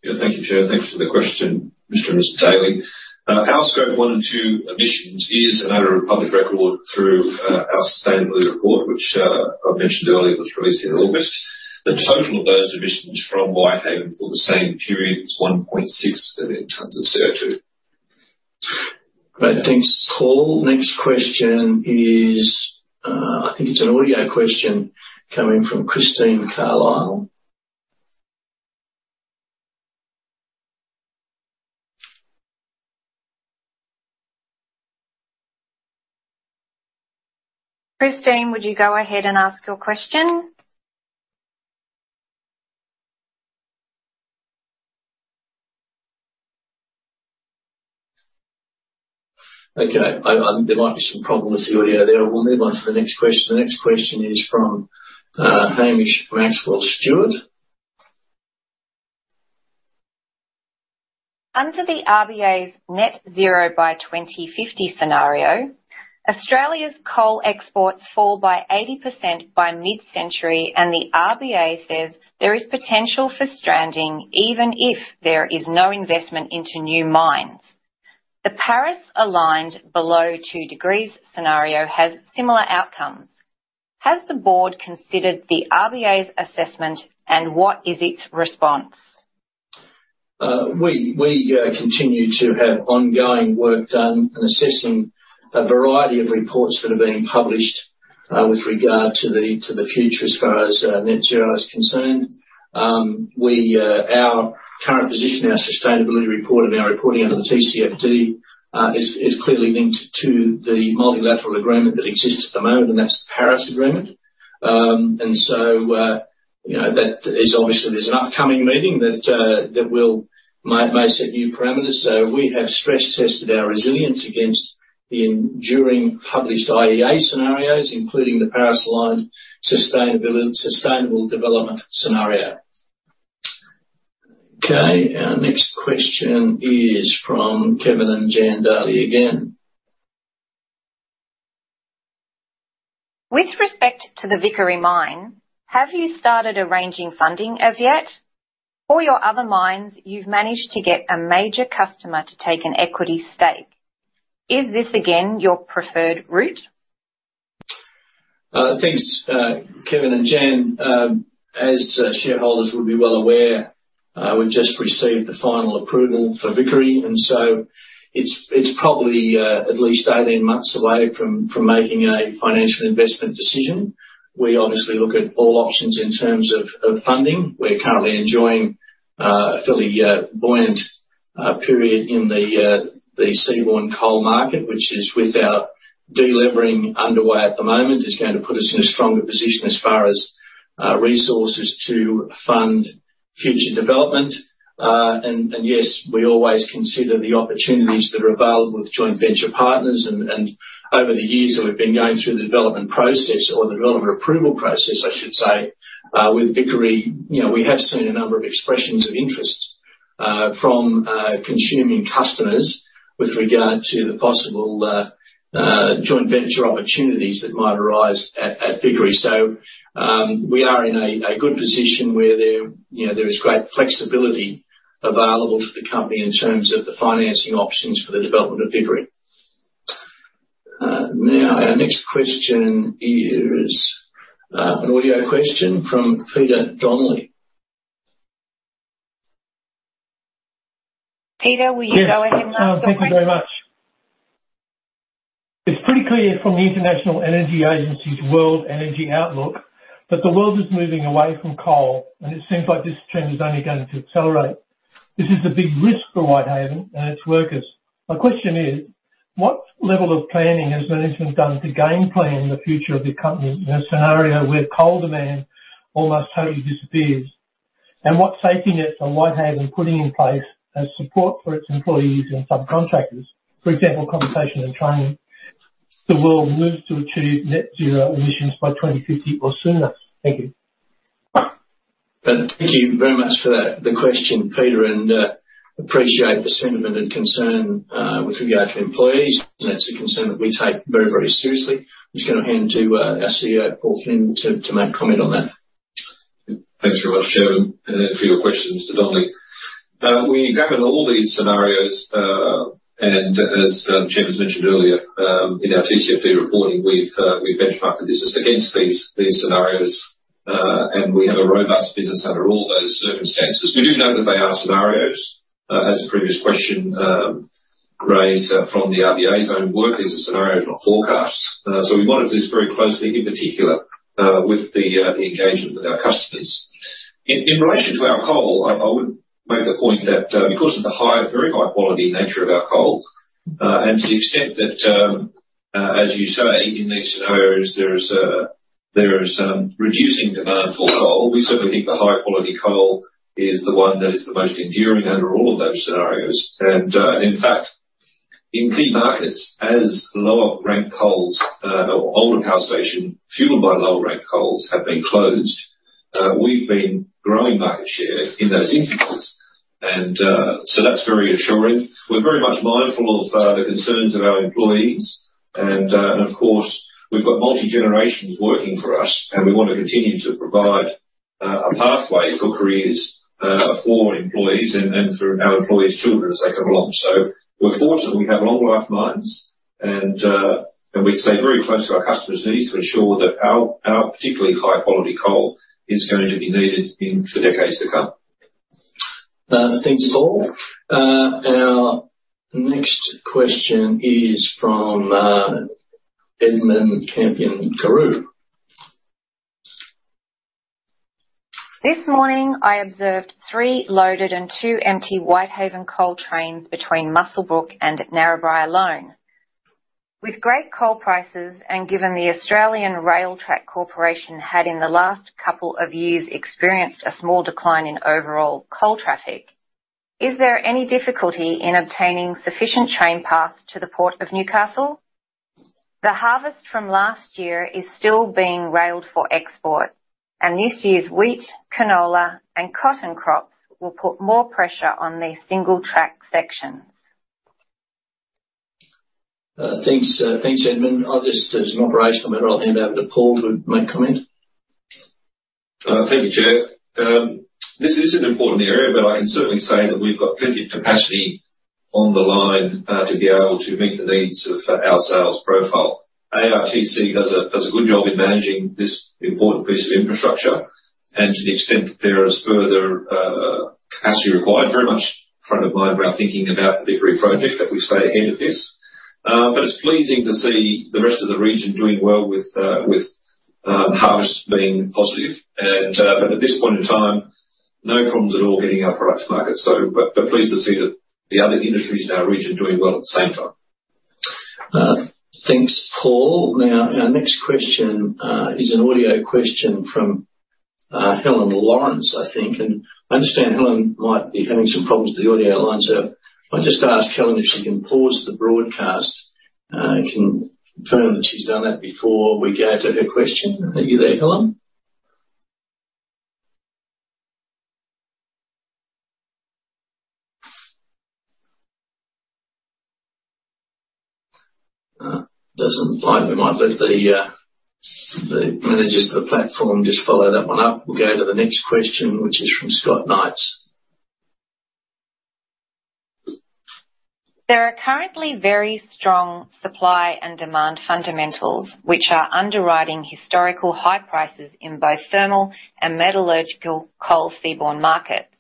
Yeah, thank you, Chair. Thanks for the question, Mr. Daly. Our scope one and two emissions is another public record through our sustainability report, which I mentioned earlier was released in August. The total of those emissions from Whitehaven for the same period is 1.6 million tonnes of CO2. Great. Thanks, Paul. Next question is, I think it's an audio question coming from Christine Carlisle. Christine, would you go ahead and ask your question? Okay. There might be some problem with the audio there. We'll move on to the next question. The next question is from Hamish Maxwell-Stewart. Under the RBA's net zero by 2050 scenario, Australia's coal exports fall by 80% by mid-century, and the RBA says there is potential for stranding even if there is no investment into new mines. The Paris-aligned below two degrees scenario has similar outcomes. Has the board considered the RBA's assessment, and what is its response? We continue to have ongoing work done and assessing a variety of reports that are being published with regard to the future as far as net zero is concerned. Our current position, our sustainability report, and our reporting under the TCFD is clearly linked to the multilateral agreement that exists at the moment, and that's the Paris Agreement, and so that is obviously there's an upcoming meeting that will may set new parameters, so we have stress-tested our resilience against the enduring published IEA scenarios, including the Paris-aligned Sustainable Development Scenario. Okay. Our next question is from Kevin and Jan Daly again. With respect to the Vickery mine, have you started arranging funding as yet? For your other mines, you've managed to get a major customer to take an equity stake. Is this again your preferred route? Thanks, Kevin and Jan. As shareholders would be well aware, we've just received the final approval for Vickery, and so it's probably at least 18 months away from making a final investment decision. We obviously look at all options in terms of funding. We're currently enjoying a fairly buoyant period in the seaborne coal market, which is with our delivering underway at the moment, is going to put us in a stronger position as far as resources to fund future development. And yes, we always consider the opportunities that are available with joint venture partners. Over the years that we've been going through the development process or the development approval process, I should say, with Vickery, we have seen a number of expressions of interest from consuming customers with regard to the possible joint venture opportunities that might arise at Vickery. So we are in a good position where there is great flexibility available to the company in terms of the financing options for the development of Vickery. Now, our next question is an audio question from Peter Donnelly. Peter, will you go ahead and answer the question? Thank you very much. It's pretty clear from the International Energy Agency's World Energy Outlook that the world is moving away from coal, and it seems like this trend is only going to accelerate. This is a big risk for Whitehaven and its workers. My question is, what level of planning has management done to game-plan the future of the company in a scenario where coal demand almost totally disappears? And what safety nets are Whitehaven putting in place as support for its employees and subcontractors, for example, compensation and training? The world moves to achieve net zero emissions by 2050 or sooner. Thank you. Thank you very much for the question, Peter, and appreciate the sentiment and concern with regard to employees. That's a concern that we take very, very seriously. I'm just going to hand to our CEO, Paul Flynn, to make a comment on that. Thanks very much, Peter, for your question, Mr. Donnelly. We examined all these scenarios, and as James mentioned earlier, in our TCFD reporting, we've benchmarked the business against these scenarios, and we have a robust business under all those circumstances. We do know that they are scenarios, as the previous question raised from the RBA's own work. These are scenarios, not forecasts. So we monitor this very closely, in particular with the engagement with our customers. In relation to our coal, I would make the point that because of the very high-quality nature of our coal and to the extent that, as you say, in these scenarios, there is reducing demand for coal, we certainly think the high-quality coal is the one that is the most enduring under all of those scenarios. And in fact, in key markets, as lower-ranked coals or older power stations fueled by lower-ranked coals have been closed, we've been growing market share in those instances. And so that's very assuring. We're very much mindful of the concerns of our employees. And of course, we've got multi-generations working for us, and we want to continue to provide a pathway for careers for employees and for our employees' children as they come along. So we're fortunate we have long-life mines, and we stay very close to our customers' needs to ensure that our particularly high-quality coal is going to be needed for decades to come. Thanks, Paul. Our next question is from Edmond Campion Garroux. This morning, I observed three loaded and two empty Whitehaven Coal trains between Muswellbrook and Narrabri alone. With great coal prices and given the Australian Rail Track Corporation had, in the last couple of years, experienced a small decline in overall coal traffic, is there any difficulty in obtaining sufficient train paths to the Port of Newcastle? The harvest from last year is still being railed for export, and this year's wheat, canola, and cotton crops will put more pressure on the single-track sections Thanks, Edmund. There's an operational matter I'll hand over to Paul to make a comment. Thank you, Chair. This is an important area, but I can certainly say that we've got plenty of capacity on the line to be able to meet the needs of our sales profile. ARTC does a good job in managing this important piece of infrastructure, and to the extent that there is further capacity required, very much front of mind when I'm thinking about the Vickery project that we stay ahead of this. But it's pleasing to see the rest of the region doing well with harvest being positive. But at this point in time, no problems at all getting our products to market. But pleased to see that the other industries in our region doing well at the same time. Thanks, Paul. Now, our next question is an audio question from Helen Lawrence, I think. And I understand Helen might be having some problems with the audio lines. So I'll just ask Helen if she can pause the broadcast. I can confirm that she's done that before we go to her question. Are you there, Helen? Doesn't like it. We might let the managers of the platform just follow that one up. We'll go to the next question, which is from Scott Knight. There are currently very strong supply and demand fundamentals, which are underwriting historical high prices in both thermal and metallurgical coal seaborne markets.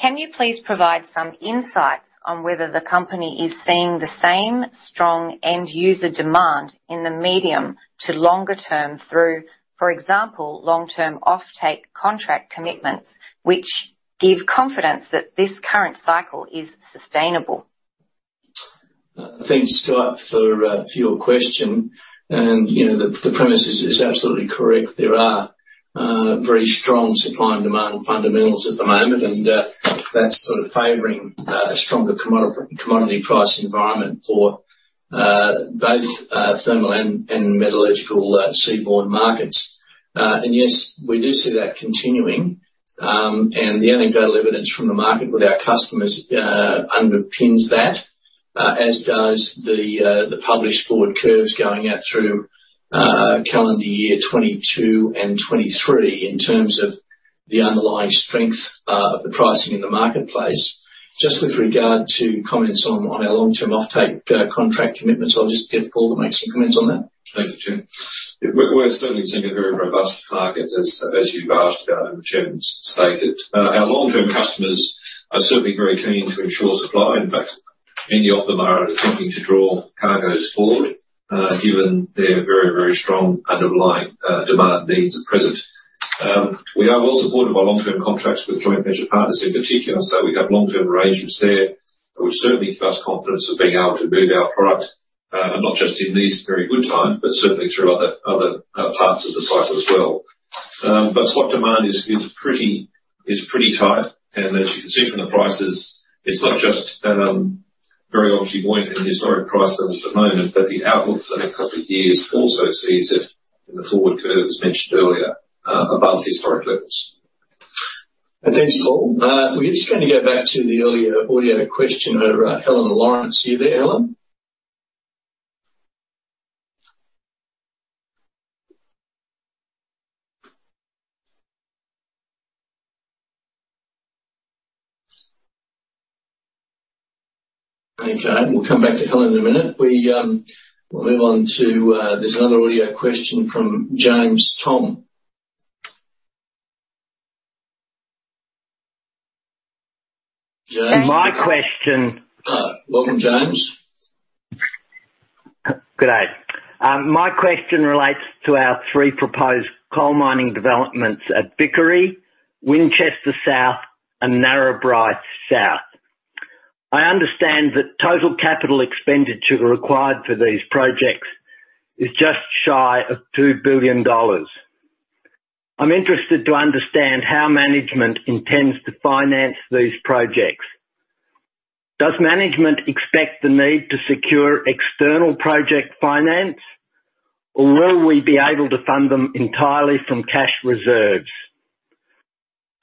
Can you please provide some insight on whether the company is seeing the same strong end-user demand in the medium to longer term through, for example, long-term offtake contract commitments, which give confidence that this current cycle is sustainable? Thanks, Scott, for your question. And the premise is absolutely correct. There are very strong supply and demand fundamentals at the moment, and that's sort of favoring a stronger commodity price environment for both thermal and metallurgical seaborne markets. And yes, we do see that continuing. And the anecdotal evidence from the market with our customers underpins that, as does the published forward curves going out through calendar year 2022 and 2023 in terms of the underlying strength of the pricing in the marketplace. Just with regard to comments on our long-term offtake contract commitments, I'll just get Paul to make some comments on that. Thank you, Chair. We're certainly seeing a very robust market, as you've asked about and Kevin's stated. Our long-term customers are certainly very keen to ensure supply. In fact, many of them are attempting to draw cargoes forward given their very, very strong underlying demand needs at present. We are well supported by long-term contracts with joint venture partners in particular, so we have long-term arrangements there which certainly give us confidence of being able to move our product, not just in these very good times, but certainly through other parts of the cycle as well. But spot demand is pretty tight. And as you can see from the prices, it's not just very obviously buoyant in the historic price levels at the moment, but the outlook for the next couple of years also sees it in the forward curve as mentioned earlier, above historic levels. Thanks, Paul. We're just going to go back to the earlier audio question of Helen Lawrence. Are you there, Helen? Okay. We'll come back to Helen in a minute. We'll move on to there's another audio question from James Thom. James? My question. Welcome, James. Good day. My question relates to our three proposed coal mining developments at Vickery, Winchester South, and Narrabri South. I understand that total capital expenditure required for these projects is just shy of 2 billion dollars. I'm interested to understand how management intends to finance these projects. Does management expect the need to secure external project finance, or will we be able to fund them entirely from cash reserves?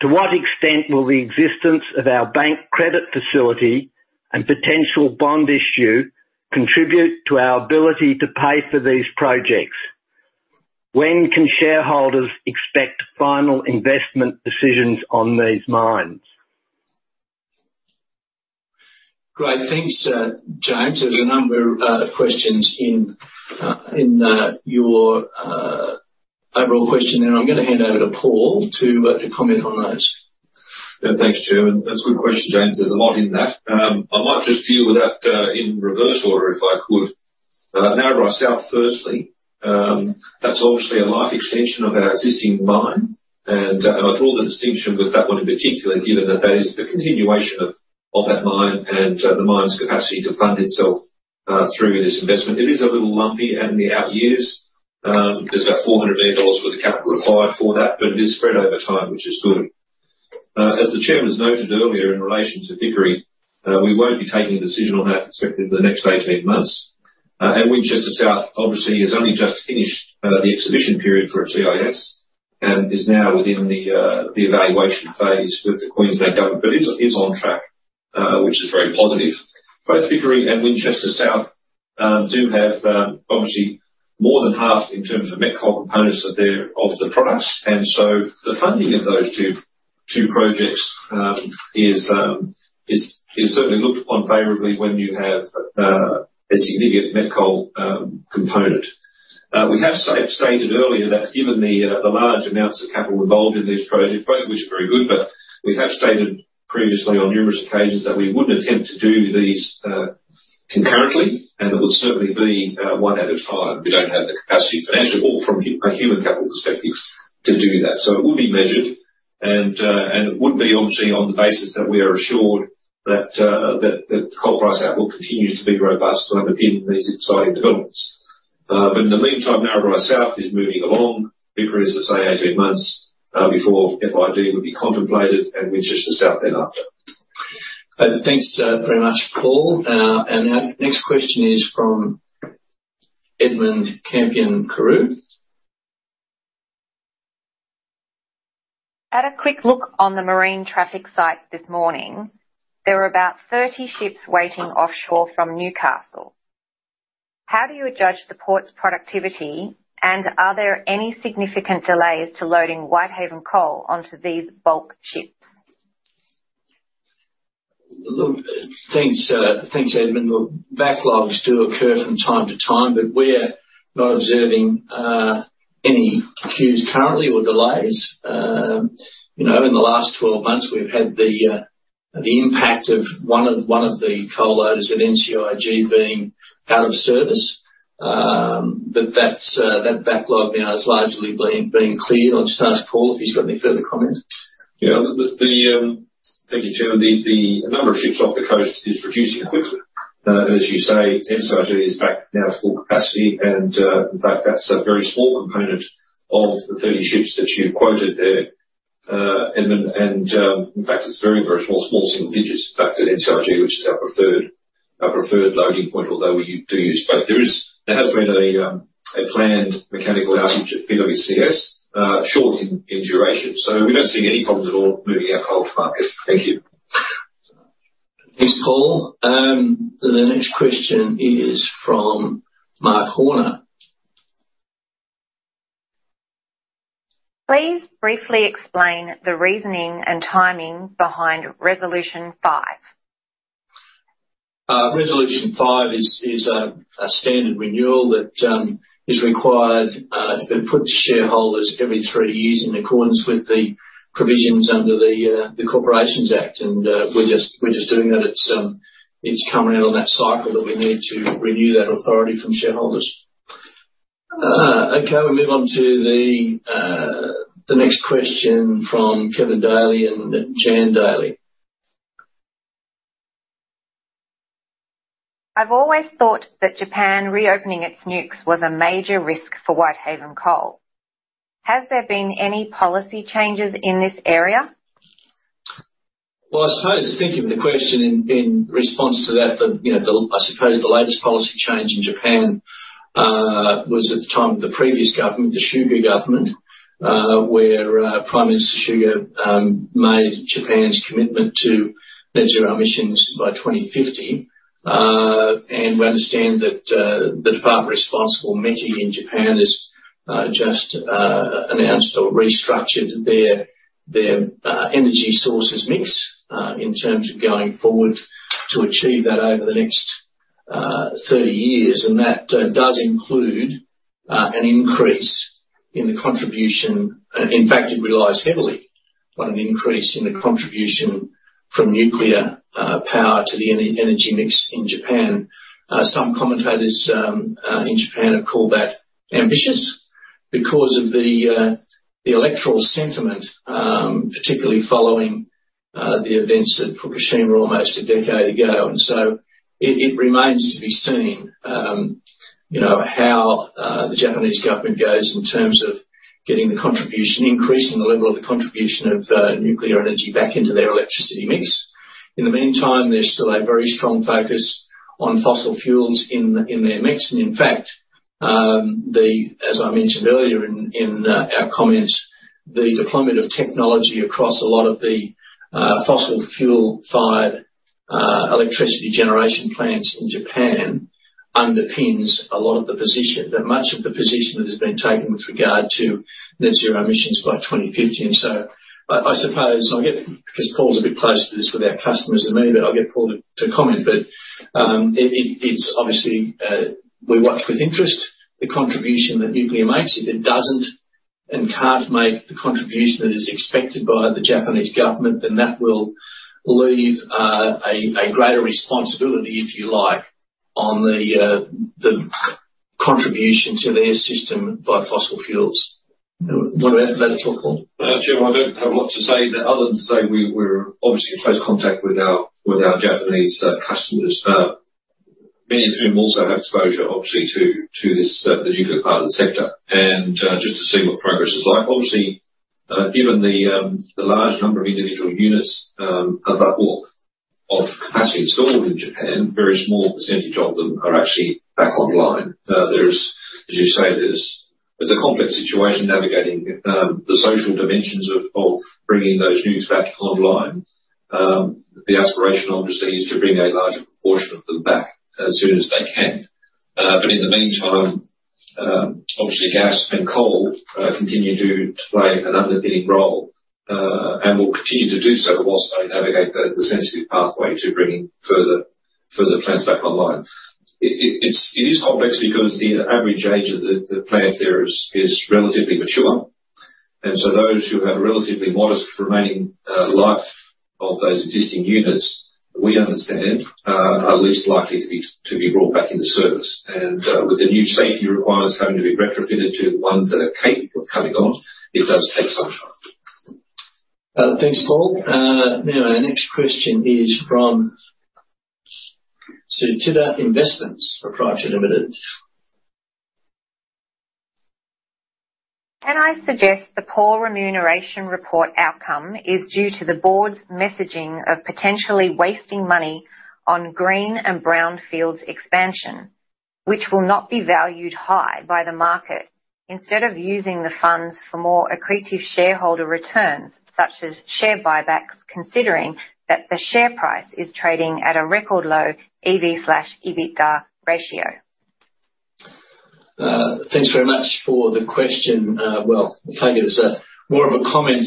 To what extent will the existence of our bank credit facility and potential bond issue contribute to our ability to pay for these projects? When can shareholders expect final investment decisions on these mines? Great. Thanks, James. There's a number of questions in your overall questionnaire. I'm going to hand over to Paul to comment on those. Thanks, Chair. That's a good question, James. There's a lot in that. I might just deal with that in reverse order if I could. Narrabri South, firstly. That's obviously a life extension of our existing mine, and I draw the distinction with that one in particular, given that that is the continuation of that mine and the mine's capacity to fund itself through this investment. It is a little lumpy in the out years. There's about 400 million dollars worth of capital required for that, but it is spread over time, which is good. As the chairman's noted earlier in relation to Vickery, we won't be taking a decision on that, expected in the next 18 months. And Winchester South, obviously, has only just finished the exhibition period for its EIS and is now within the evaluation phase with the Queensland government, but is on track, which is very positive. Both Vickery and Winchester South do have, obviously, more than half in terms of met coal components of the products. And so the funding of those two projects is certainly looked upon favorably when you have a significant met coal component. We have stated earlier that given the large amounts of capital involved in these projects, both of which are very good, but we have stated previously on numerous occasions that we wouldn't attempt to do these concurrently and that would certainly be one at a time. We don't have the capacity financially or from a human capital perspective to do that. So it would be measured, and it would be, obviously, on the basis that we are assured that the coal price outlook continues to be robust to underpin these exciting developments. But in the meantime, Narrabri South is moving along. Vickery is to say 18 months before FID would be contemplated, and Winchester South then after. Thanks very much, Paul. And our next question is from Edmund Campion Garroux. At a quick look on the marine traffic site this morning, there are about 30 ships waiting offshore from Newcastle. How do you judge the port's productivity, and are there any significant delays to loading Whitehaven Coal onto these bulk ships? Thanks, Edmund. Backlogs do occur from time to time, but we're not observing any queues currently or delays. In the last 12 months, we've had the impact of one of the coal loaders at NCIG being out of service. But that backlog now is largely being cleared. I'll just ask Paul if he's got any further comment. Yeah. Thank you, Chair. The number of ships off the coast is reducing quickly. And as you say, NCIG is back now to full capacity. And in fact, that's a very small component of the 30 ships that you quoted there, Edmund. And in fact, it's very, very small, small single digits. In fact, at NCIG, which is our preferred loading point, although we do use both. There has been a planned mechanical outage at PWCS, short in duration. So we don't see any problems at all moving our coal to market. Thank you. Thanks, Paul. The next question is from Mark Horner. Please briefly explain the reasoning and timing behind Resolution 5. Resolution 5 is a standard renewal that is required to be put to shareholders every three years in accordance with the provisions under the Corporations Act. We're just doing that. It's coming in on that cycle that we need to renew that authority from shareholders. Okay. We move on to the next question from Kevin Daly and Jan Daly. I've always thought that Japan reopening its nukes was a major risk for Whitehaven Coal. Has there been any policy changes in this area? I suppose thinking of the question in response to that, I suppose the latest policy change in Japan was at the time of the previous government, the Suga government, where Prime Minister Suga made Japan's commitment to net zero emissions by 2050. We understand that the department responsible, METI, in Japan has just announced or restructured their energy sources mix in terms of going forward to achieve that over the next 30 years. That does include an increase in the contribution. In fact, it relies heavily on an increase in the contribution from nuclear power to the energy mix in Japan. Some commentators in Japan have called that ambitious because of the electoral sentiment, particularly following the events that Fukushima almost a decade ago. So it remains to be seen how the Japanese government goes in terms of getting the contribution increase and the level of the contribution of nuclear energy back into their electricity mix. In the meantime, there's still a very strong focus on fossil fuels in their mix. And in fact, as I mentioned earlier in our comments, the deployment of technology across a lot of the fossil-fuel-fired electricity generation plants in Japan underpins a lot of the position, much of the position that has been taken with regard to net zero emissions by 2050. And so I suppose I'll get because Paul's a bit closer to this with our customers than me, but I'll get Paul to comment. But it's obviously we watch with interest the contribution that nuclear makes. If it doesn't and can't make the contribution that is expected by the Japanese government, then that will leave a greater responsibility, if you like, on the contribution to their system by fossil fuels. What about that at all, Paul? Chair, I don't have much to say other than to say we're obviously in close contact with our Japanese customers, many of whom also have exposure, obviously, to the nuclear part of the sector, and just to see what progress is like. Obviously, given the large number of individual units of that GW of capacity installed in Japan, a very small percentage of them are actually back online. As you say, it's a complex situation navigating the social dimensions of bringing those nukes back online. The aspiration, obviously, is to bring a larger proportion of them back as soon as they can. In the meantime, obviously, gas and coal continue to play an underpinning role and will continue to do so whilst they navigate the sensitive pathway to bringing further plants back online. It is complex because the average age of the plant there is relatively mature. Those who have a relatively modest remaining life of those existing units, we understand, are least likely to be brought back into service. With the new safety requirements having to be retrofitted to the ones that are capable of coming on, it does take some time. Thanks, Paul. Now, our next question is from Tsudita Investments Pty Ltd. Can I suggest the poor remuneration report outcome is due to the board's messaging of potentially wasting money on green and brownfields expansion, which will not be valued high by the market, instead of using the funds for more accretive shareholder returns, such as share buybacks, considering that the share price is trading at a record low EV/EBITDA ratio? Thanks very much for the question. Well, I'll tell you, it's more of a comment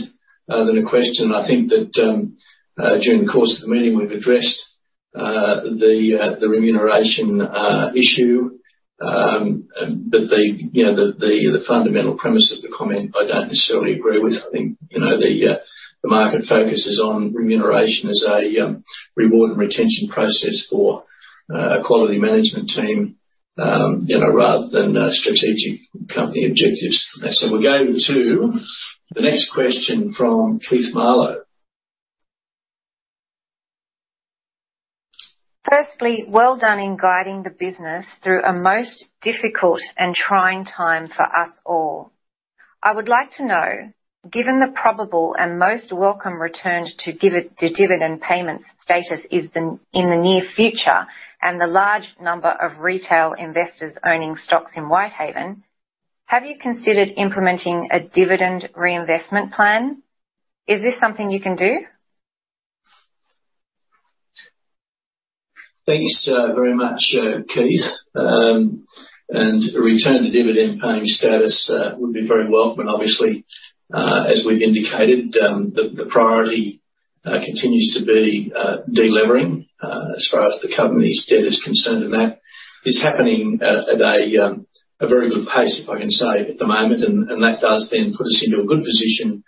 than a question. I think that during the course of the meeting, we've addressed the remuneration issue. But the fundamental premise of the comment, I don't necessarily agree with. I think the market focuses on remuneration as a reward and retention process for a quality management team rather than strategic company objectives. So we'll go to the next question from Keith Marlow. Firstly, well done in guiding the business through a most difficult and trying time for us all. I would like to know, given the probable and most welcome return to dividend payments status in the near future and the large number of retail investors owning stocks in Whitehaven, have you considered implementing a dividend reinvestment plan? Is this something you can do? Thanks very much, Keith, and return to dividend paying status would be very welcome. Obviously, as we've indicated, the priority continues to be delivering as far as the company's debt is concerned, and that is happening at a very good pace, if I can say, at the moment. That does then put us into a good position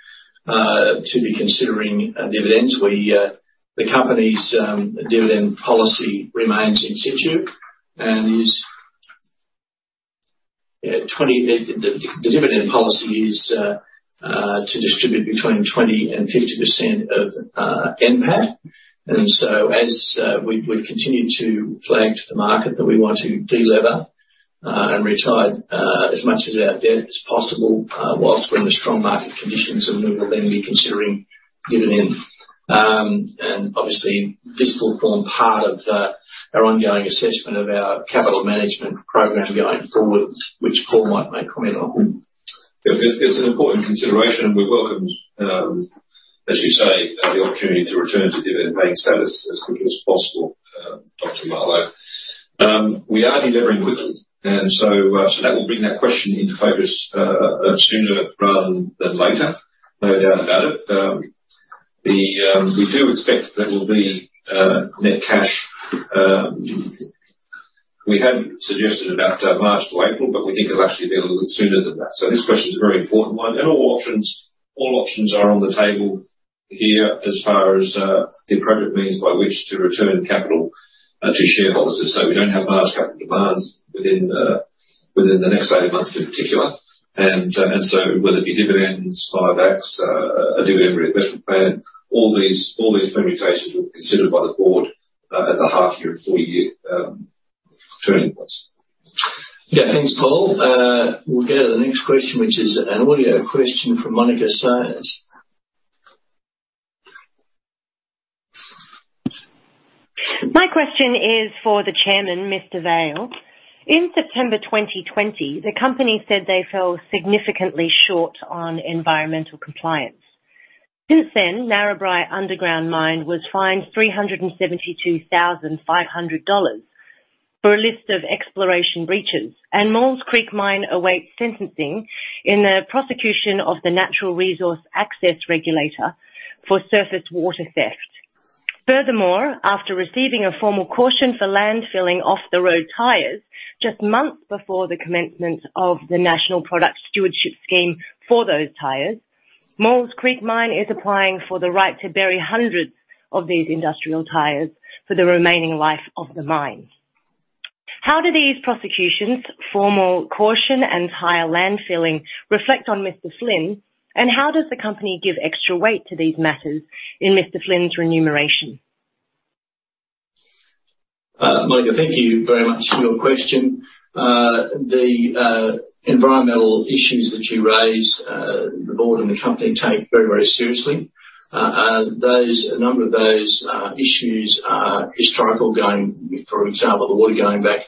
to be considering dividends. The company's dividend policy remains in situ. The dividend policy is to distribute between 20% and 50% of NPAT. As we've continued to flag to the market that we want to deliver and retire as much of our debt as possible whilst we're in the strong market conditions, and we will then be considering dividend. Obviously, this will form part of our ongoing assessment of our capital management program going forward, which Paul might make comment on. It's an important consideration, and we welcome, as you say, the opportunity to return to dividend paying status as quickly as possible, Dr. Marlow. We are delivering quickly, and so that will bring that question into focus sooner rather than later, no doubt about it. We do expect there will be net cash. We had suggested about March to April, but we think it'll actually be a little bit sooner than that, so this question is a very important one, and all options are on the table here as far as the appropriate means by which to return capital to shareholders, so we don't have large capital demands within the next eight months in particular, and so whether it be dividends, buybacks, a dividend reinvestment plan, all these permutations will be considered by the board at the half-year and four-year turning points. Yeah, thanks, Paul. We'll go to the next question, which is an audio question from Monica Saines. My question is for the chairman, Mr. Vaile. In September 2020, the company said they fell significantly short on environmental compliance. Since then, Narrabri Underground Mine was fined 372,500 dollars for a list of exploration breaches, and Maules Creek Mine awaits sentencing in the prosecution of the Natural Resources Access Regulator for surface water theft. Furthermore, after receiving a formal caution for landfilling off-the-road tires just months before the commencement of the National Product Stewardship Scheme for those tires, Maules Creek Mine is applying for the right to bury hundreds of these industrial tires for the remaining life of the mine. How do these prosecutions, formal caution, and tire landfilling reflect on Mr. Flynn? And how does the company give extra weight to these matters in Mr. Flynn's remuneration? Monica, thank you very much for your question. The environmental issues that you raise, the board and the company take very, very seriously. A number of those issues are historical, going, for example, the water going back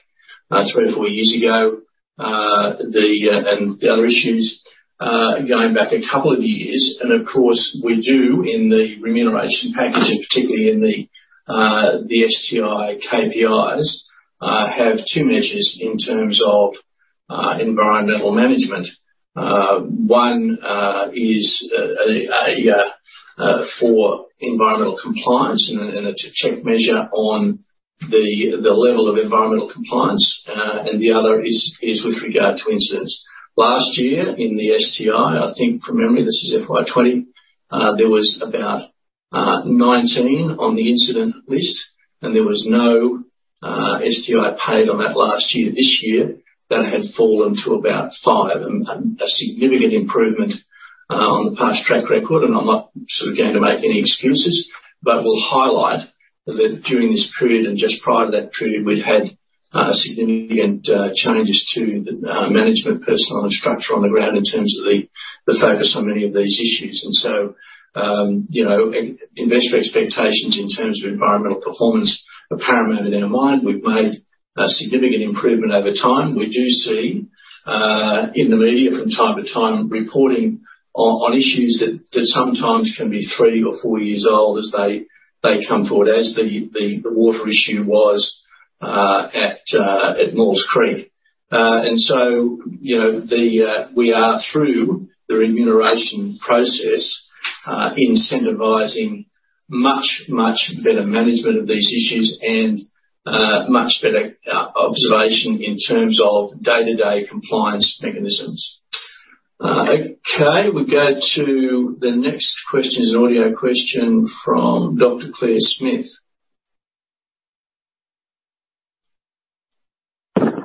three or four years ago, and the other issues going back a couple of years, and of course, we do, in the remuneration package, and particularly in the STI KPIs, have two measures in terms of environmental management. One is for environmental compliance and a check measure on the level of environmental compliance, and the other is with regard to incidents. Last year in the STI, I think from memory, this is FY 2020, there was about 19 on the incident list. And there was no STI paid on that last year. This year, that had fallen to about five, a significant improvement on the past track record. And I'm not sort of going to make any excuses, but we'll highlight that during this period and just prior to that period, we'd had significant changes to the management personnel and structure on the ground in terms of the focus on many of these issues. And so investor expectations in terms of environmental performance are paramount in our mind. We've made a significant improvement over time. We do see in the media from time to time reporting on issues that sometimes can be three or four years old as they come forward, as the water issue was at Maules Creek. And so we are through the remuneration process, incentivizing much, much better management of these issues and much better observation in terms of day-to-day compliance mechanisms. Okay. We go to the next question, an audio question from Dr. Claire Smith.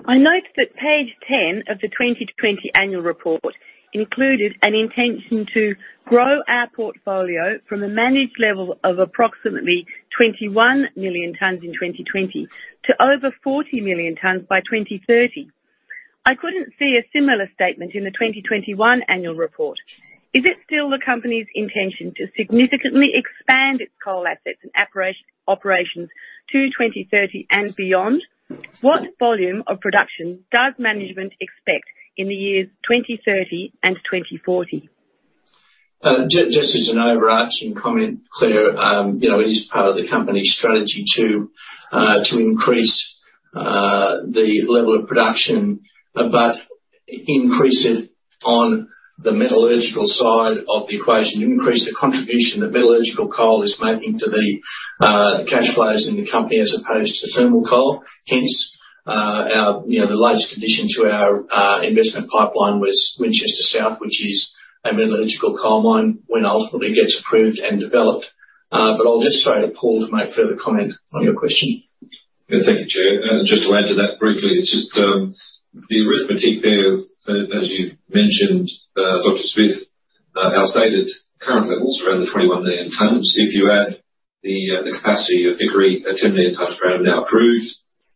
I note that page 10 of the 2020 annual report included an intention to grow our portfolio from a managed level of approximately 21 million tons in 2020 to over 40 million tons by 2030. I couldn't see a similar statement in the 2021 annual report. Is it still the company's intention to significantly expand its coal assets and operations to 2030 and beyond? What volume of production does management expect in the years 2030 and 2040? Just as an overarching comment, Claire, it is part of the company's strategy to increase the level of production, but increase it on the metallurgical side of the equation, increase the contribution that metallurgical coal is making to the cash flows in the company as opposed to thermal coal. Hence, the largest addition to our investment pipeline was Winchester South, which is a metallurgical coal mine when ultimately it gets approved and developed. But I'll just throw to Paul to make further comment on your question. Yeah, thank you, Chair. And just to add to that briefly, it's just the arithmetic there, as you've mentioned, Dr. Smith, our stated current levels are around the 21 million tons. If you add the capacity of Vickery, 10 million tons per annum now approved,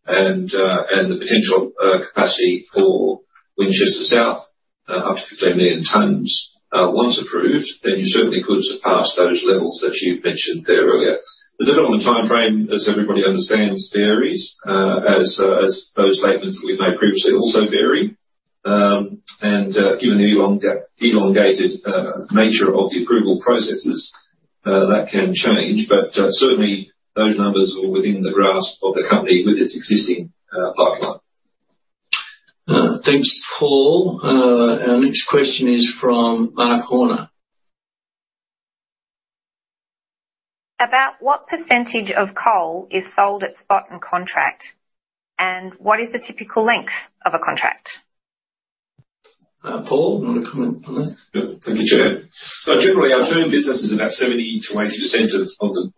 and the potential capacity for Winchester South up to 15 million tons once approved, then you certainly could surpass those levels that you've mentioned there earlier. The development timeframe, as everybody understands, varies, as those statements that we've made previously also vary. And given the elongated nature of the approval processes, that can change. But certainly, those numbers are within the grasp of the company with its existing pipeline. Thanks, Paul. Our next question is from Mark Horner. About what percentage of coal is sold at spot and contract? What is the typical length of a contract? Paul, another comment on that? Thank you, Chair. Generally, our term business is about 70%-80%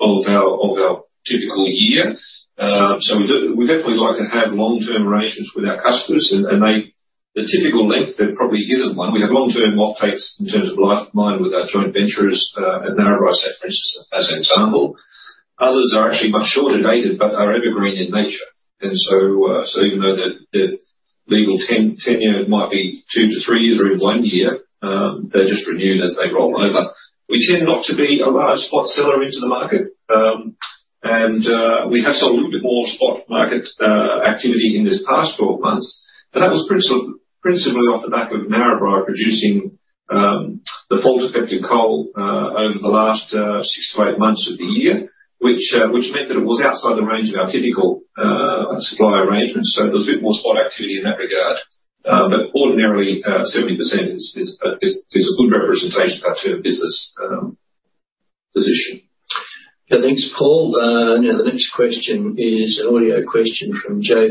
of our typical year. So we definitely like to have long-term arrangements with our customers. And the typical length, there probably isn't one. We have long-term offtakes in terms of life of mine with our joint ventures at Narrabri site, for instance, as an example. Others are actually much shorter dated but are evergreen in nature. And so even though the legal tenure might be two to three years or even one year, they're just renewed as they roll over. We tend not to be a large spot seller into the market. And we have sold a little bit more spot market activity in this past 12 months. But that was principally off the back of Narrabri producing the fault-affected coal over the last six to eight months of the year, which meant that it was outside the range of our typical supply arrangements. So there was a bit more spot activity in that regard. But ordinarily, 70% is a good representation of our term business position. Thanks, Paul. Now, the next question is an audio question from Joe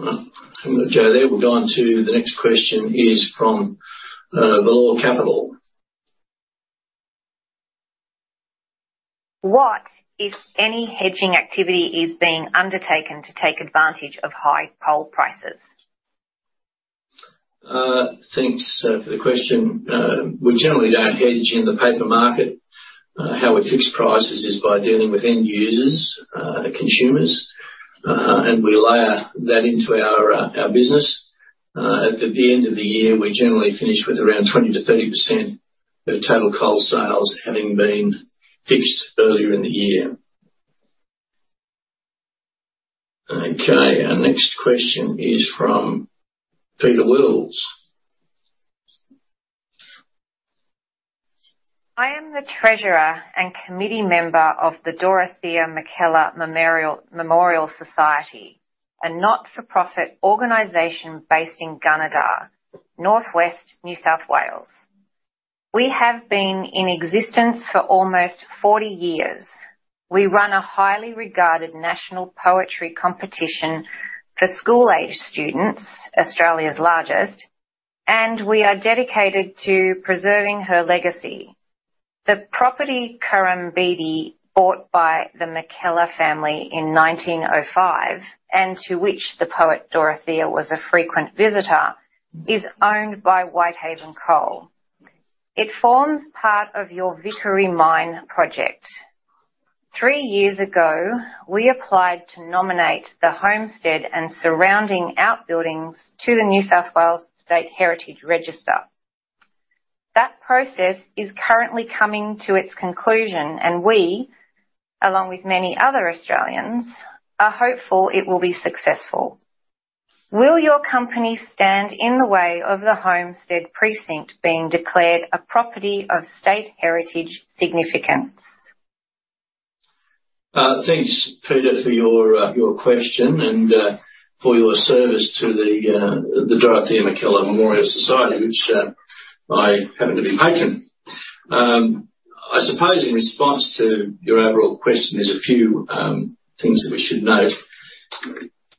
Taban. Hang on, Joe. There we go. And the next question is from Vellore Capital. What, if any, hedging activity is being undertaken to take advantage of high coal prices? Thanks for the question. We generally don't hedge in the paper market. How we fix prices is by dealing with end users, consumers. And we layer that into our business. At the end of the year, we generally finish with around 20%-30% of total coal sales having been fixed earlier in the year. Okay. Our next question is from Peter Wills. I am the treasurer and committee member of the Dorothea Mackellar Memorial Society, a not-for-profit organization based in Gunnedah, northwest New South Wales. We have been in existence for almost 40 years. We run a highly regarded national poetry competition for school-age students, Australia's largest, and we are dedicated to preserving her legacy. The property Kurrumbede bought by the Mackellar family in 1905 and to which the poet Dorothea was a frequent visitor is owned by Whitehaven Coal. It forms part of your Vickery Mine project. Three years ago, we applied to nominate the homestead and surrounding outbuildings to the New South Wales State Heritage Register. That process is currently coming to its conclusion, and we, along with many other Australians, are hopeful it will be successful. Will your company stand in the way of the homestead precinct being declared a property of state heritage significance? Thanks, Peter, for your question and for your service to the Dorothea Mackellar Memorial Society, which I happen to be patron. I suppose in response to your overall question, there's a few things that we should note.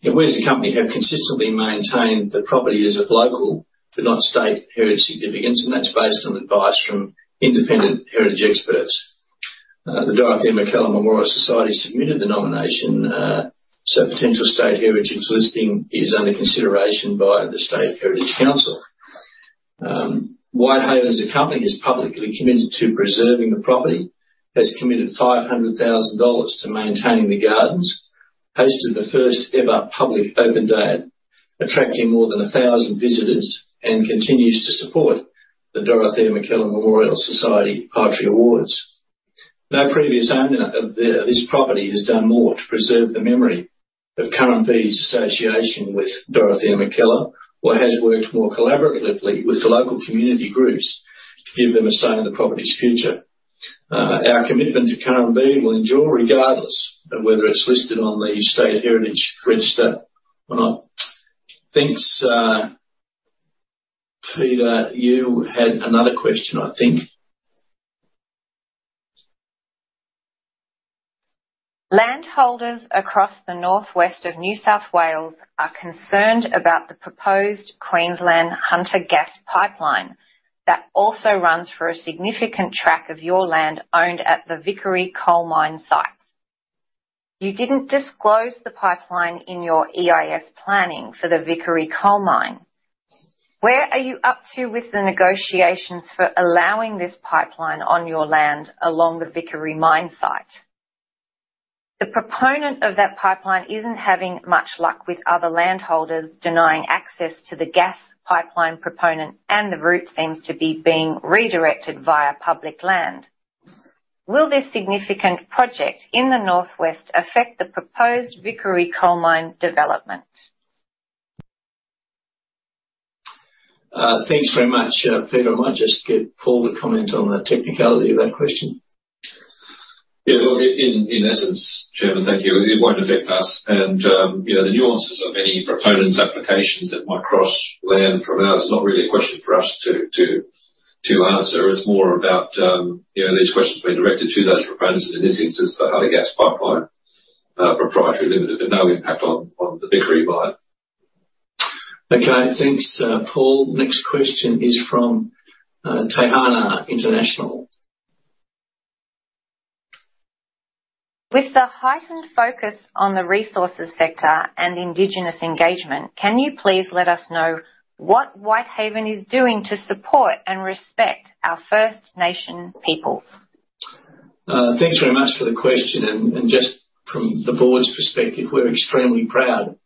We as a company have consistently maintained the property is of local but not state heritage significance, and that's based on advice from independent heritage experts. The Dorothea Mackellar Memorial Society submitted the nomination, so potential state heritage listing is under consideration by the State Heritage Council. Whitehaven's company is publicly committed to preserving the property, has committed 500,000 dollars to maintaining the gardens, hosted the first-ever public open day, attracting more than 1,000 visitors, and continues to support the Dorothea Mackellar Memorial Society Poetry Awards. No previous owner of this property has done more to preserve the memory of Kurrumbede's association with Dorothea Mackellar or has worked more collaboratively with the local community groups to give them a say in the property's future. Our commitment to Kurrumbede will endure regardless of whether it's listed on the State Heritage Register or not. Thanks, Peter. You had another question, I think. Landholders across the northwest of New South Wales are concerned about the proposed Hunter Gas Pipeline that also runs for a significant track of your land owned at the Vickery Coal Mine site. You didn't disclose the pipeline in your EIS planning for the Vickery Coal Mine. Where are you up to with the negotiations for allowing this pipeline on your land along the Vickery Mine site? The proponent of that pipeline isn't having much luck with other landholders denying access to the gas pipeline proponent, and the route seems to be being redirected via public land. Will this significant project in the northwest affect the proposed Vickery Coal Mine development? Thanks very much, Peter. I might just give Paul the comment on the technicality of that question. Yeah, look, in essence, Chairman, thank you. It won't affect us. And the nuances of any proponent's applications that might cross land from ours is not really a question for us to answer. It's more about these questions being directed to those proponents. In this instance, the Hunter Gas Pipeline Pty Ltd, but no impact on the Vickery mine. Okay. Thanks, Paul. Next question is from Tihana International. With the heightened focus on the resources sector and indigenous engagement, can you please let us know what Whitehaven is doing to support and respect our First Nation peoples? Thanks very much for the question. Just from the board's perspective, we're extremely proud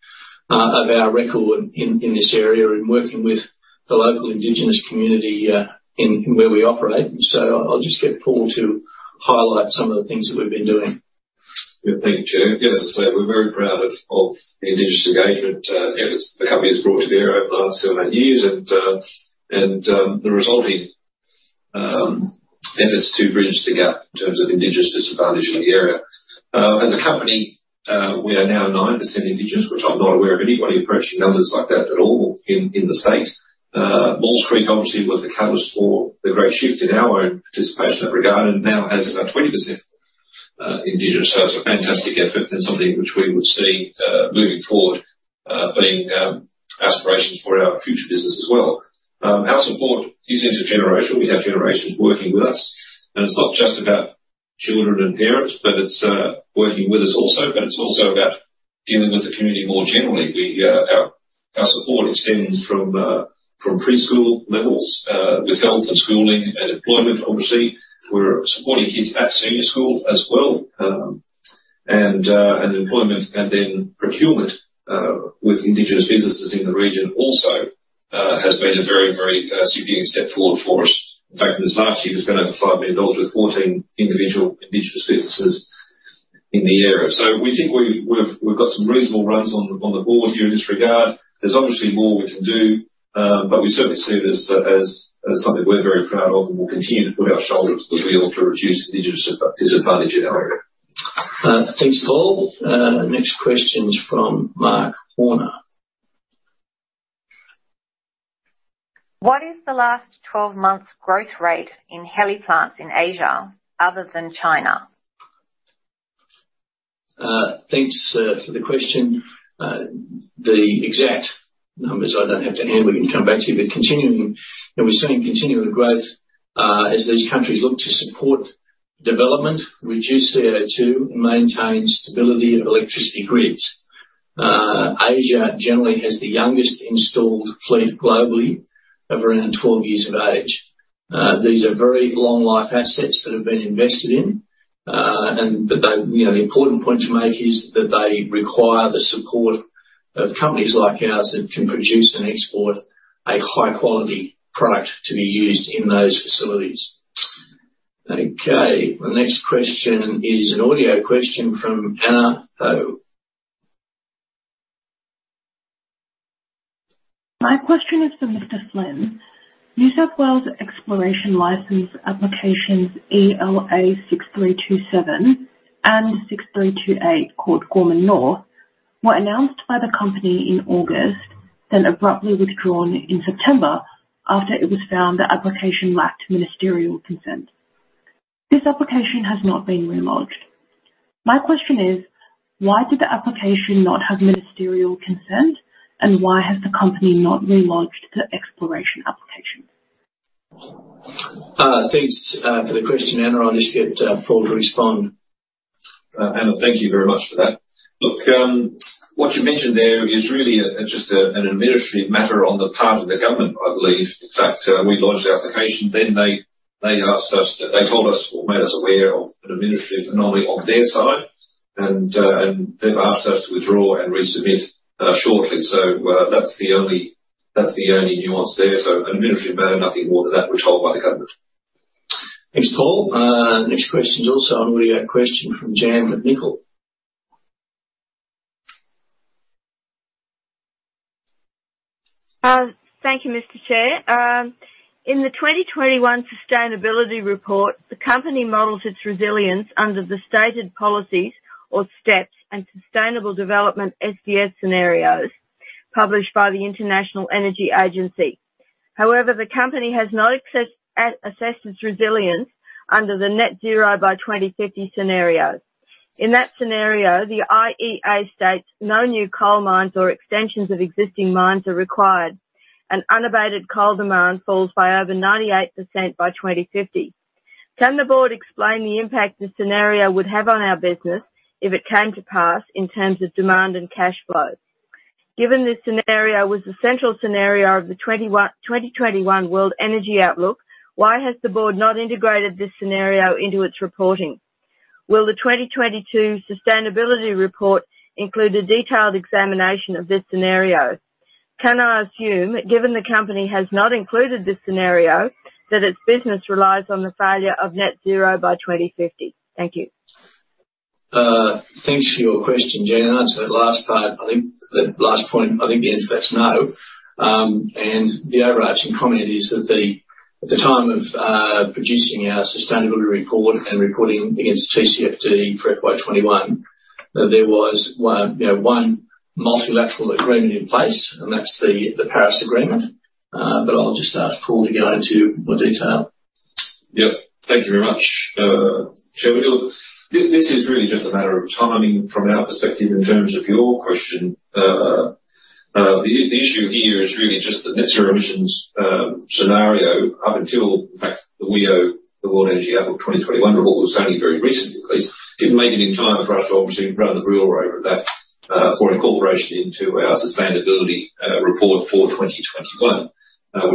of our record in this area in working with the local indigenous community where we operate. I'll just get Paul to highlight some of the things that we've been doing. Yeah, thank you, Chair. Yeah, as I say, we're very proud of the indigenous engagement efforts the company has brought to the area over the last seven or eight years and the resulting efforts to bridge the gap in terms of indigenous disadvantage in the area. As a company, we are now 9% Indigenous, which I'm not aware of anybody approaching numbers like that at all in the state. Maules Creek, obviously, was the catalyst for the great shift in our own participation in that regard and now has 20% Indigenous. So it's a fantastic effort and something which we would see moving forward being aspirations for our future business as well. Our support is intergenerational. We have generations working with us. And it's not just about children and parents, but it's working with us also. But it's also about dealing with the community more generally. Our support extends from preschool levels with health and schooling and employment, obviously. We're supporting kids at senior school as well. And employment and then procurement with Indigenous businesses in the region also has been a very, very significant step forward for us. In fact, this last year has been over 5 million dollars with 14 individual indigenous businesses in the area. So we think we've got some reasonable runs on the board here in this regard. There's obviously more we can do, but we certainly see this as something we're very proud of and will continue to put our shoulders to the wheel to reduce indigenous disadvantage in our area. Thanks, Paul. Next question is from Mark Horner. What is the last 12 months' growth rate in HELE plants in Asia other than China? Thanks for the question. The exact numbers I don't have to hand. We can come back to you. But continuing, and we're seeing continuing growth as these countries look to support development, reduce CO2, and maintain stability of electricity grids. Asia generally has the youngest installed fleet globally of around 12 years of age. These are very long-life assets that have been invested in. But the important point to make is that they require the support of companies like ours that can produce and export a high-quality product to be used in those facilities. Okay. The next question is an audio question from Anna Ho. My question is for Mr. Flynn. New South Wales Exploration License applications ELA 6327 and 6328 called Gorman North were announced by the company in August, then abruptly withdrawn in September after it was found the application lacked ministerial consent. This application has not been re-lodged. My question is, why did the application not have ministerial consent, and why has the company not re-lodged the exploration application? Thanks for the question, Anna. I'll just get Paul to respond. Anna, thank you very much for that. Look, what you mentioned there is really just an administrative matter on the part of the government, I believe. In fact, we lodged the application, then they asked us they told us or made us aware of an administrative anomaly on their side, and they've asked us to withdraw and resubmit shortly. So that's the only nuance there. So administrative matter, nothing more than that, we're told by the government. Thanks, Paul. Next question is also an audio question from Jan McNicol. Thank you, Mr. Chair. In the 2021 sustainability report, the company models its resilience under the stated policies or steps and sustainable development SDS scenarios published by the International Energy Agency. However, the company has not assessed its resilience under the net zero by 2050 scenario. In that scenario, the IEA states no new coal mines or extensions of existing mines are required, and unabated coal demand falls by over 98% by 2050. Can the board explain the impact this scenario would have on our business if it came to pass in terms of demand and cash flow? Given this scenario was the central scenario of the 2021 World Energy Outlook, why has the board not integrated this scenario into its reporting? Will the 2022 sustainability report include a detailed examination of this scenario? Can I assume, given the company has not included this scenario, that its business relies on the failure of net zero by 2050? Thank you. Thanks for your question, Jan. So that last part, I think that last point, I think the answer is no. And the overarching comment is that at the time of producing our sustainability report and reporting against TCFD for FY21, there was one multilateral agreement in place, and that's the Paris Agreement. But I'll just ask Paul to go into more detail. Yep. Thank you very much, Chair McNicol. This is really just a matter of timing from our perspective in terms of your question. The issue here is really just the net zero emissions scenario up until, in fact, the WEO, the World Energy Outlook 2021 report was only very recently, at least. It didn't make it in time for us to obviously run the drill over that for incorporation into our sustainability report for 2021,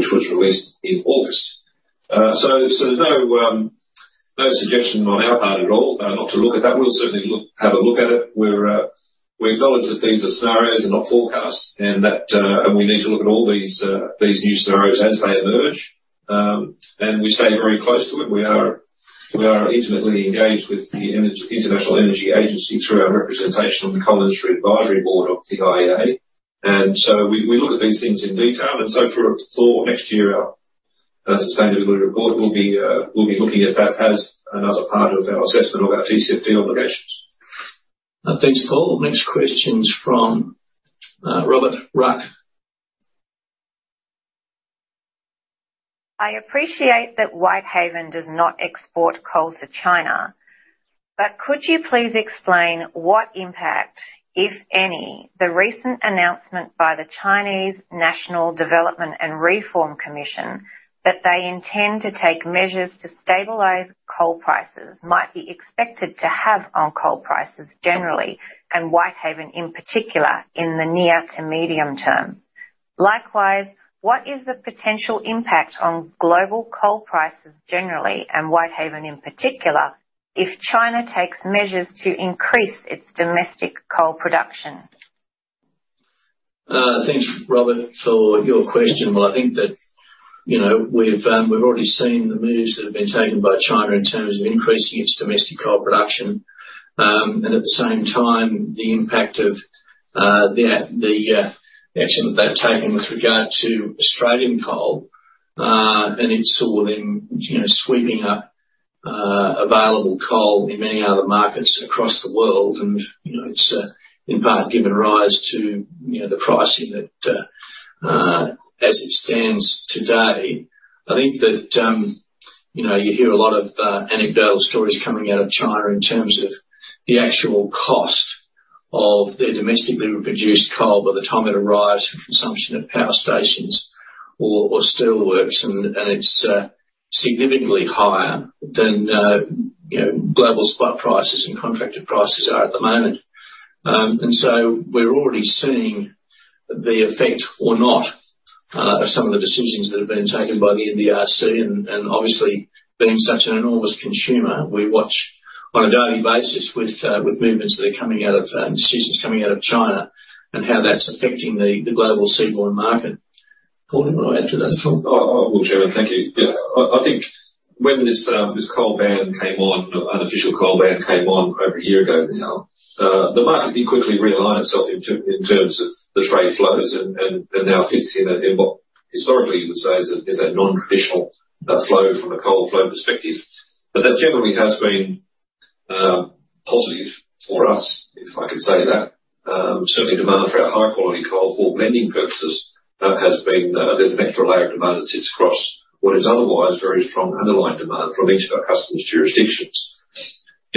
which was released in August. So there's no suggestion on our part at all not to look at that. We'll certainly have a look at it. We acknowledge that these are scenarios and not forecasts, and we need to look at all these new scenarios as they emerge, and we stay very close to it. We are intimately engaged with the International Energy Agency through our representation on the Coal Industry Advisory Board of the IEA, and so we look at these things in detail, and so for next year, our sustainability report, we'll be looking at that as another part of our assessment of our TCFD obligations. Thanks, Paul. Next question is from Robert Ruck. I appreciate that Whitehaven does not export coal to China, but could you please explain what impact, if any, the recent announcement by the Chinese National Development and Reform Commission that they intend to take measures to stabilize coal prices might be expected to have on coal prices generally and Whitehaven in particular in the near to medium term? Likewise, what is the potential impact on global coal prices generally and Whitehaven in particular if China takes measures to increase its domestic coal production? Thanks, Robert, for your question. Well, I think that we've already seen the moves that have been taken by China in terms of increasing its domestic coal production. And at the same time, the impact of the action that they've taken with regard to Australian coal, and it saw them sweeping up available coal in many other markets across the world. And it's in part given rise to the pricing that, as it stands today, I think that you hear a lot of anecdotal stories coming out of China in terms of the actual cost of their domestically produced coal by the time it arrives for consumption at power stations or steelworks. It's significantly higher than global spot prices and contracted prices are at the moment. We're already seeing the effect or not of some of the decisions that have been taken by the NDRC. Obviously, being such an enormous consumer, we watch on a daily basis with movements that are coming out of decisions coming out of China and how that's affecting the global seaborne market. Paul, do you want to add to that? I will, Chairman. Thank you. Yeah. I think when this unofficial coal ban came on over a year ago now, the market did quickly realign itself in terms of the trade flows and now sits in what historically you would say is a non-traditional flow from a coal flow perspective. But that generally has been positive for us, if I can say that. Certainly, demand for our high-quality coal for blending purposes has been. There's an extra layer of demand that sits across what is otherwise very strong underlying demand from each of our customers' jurisdictions.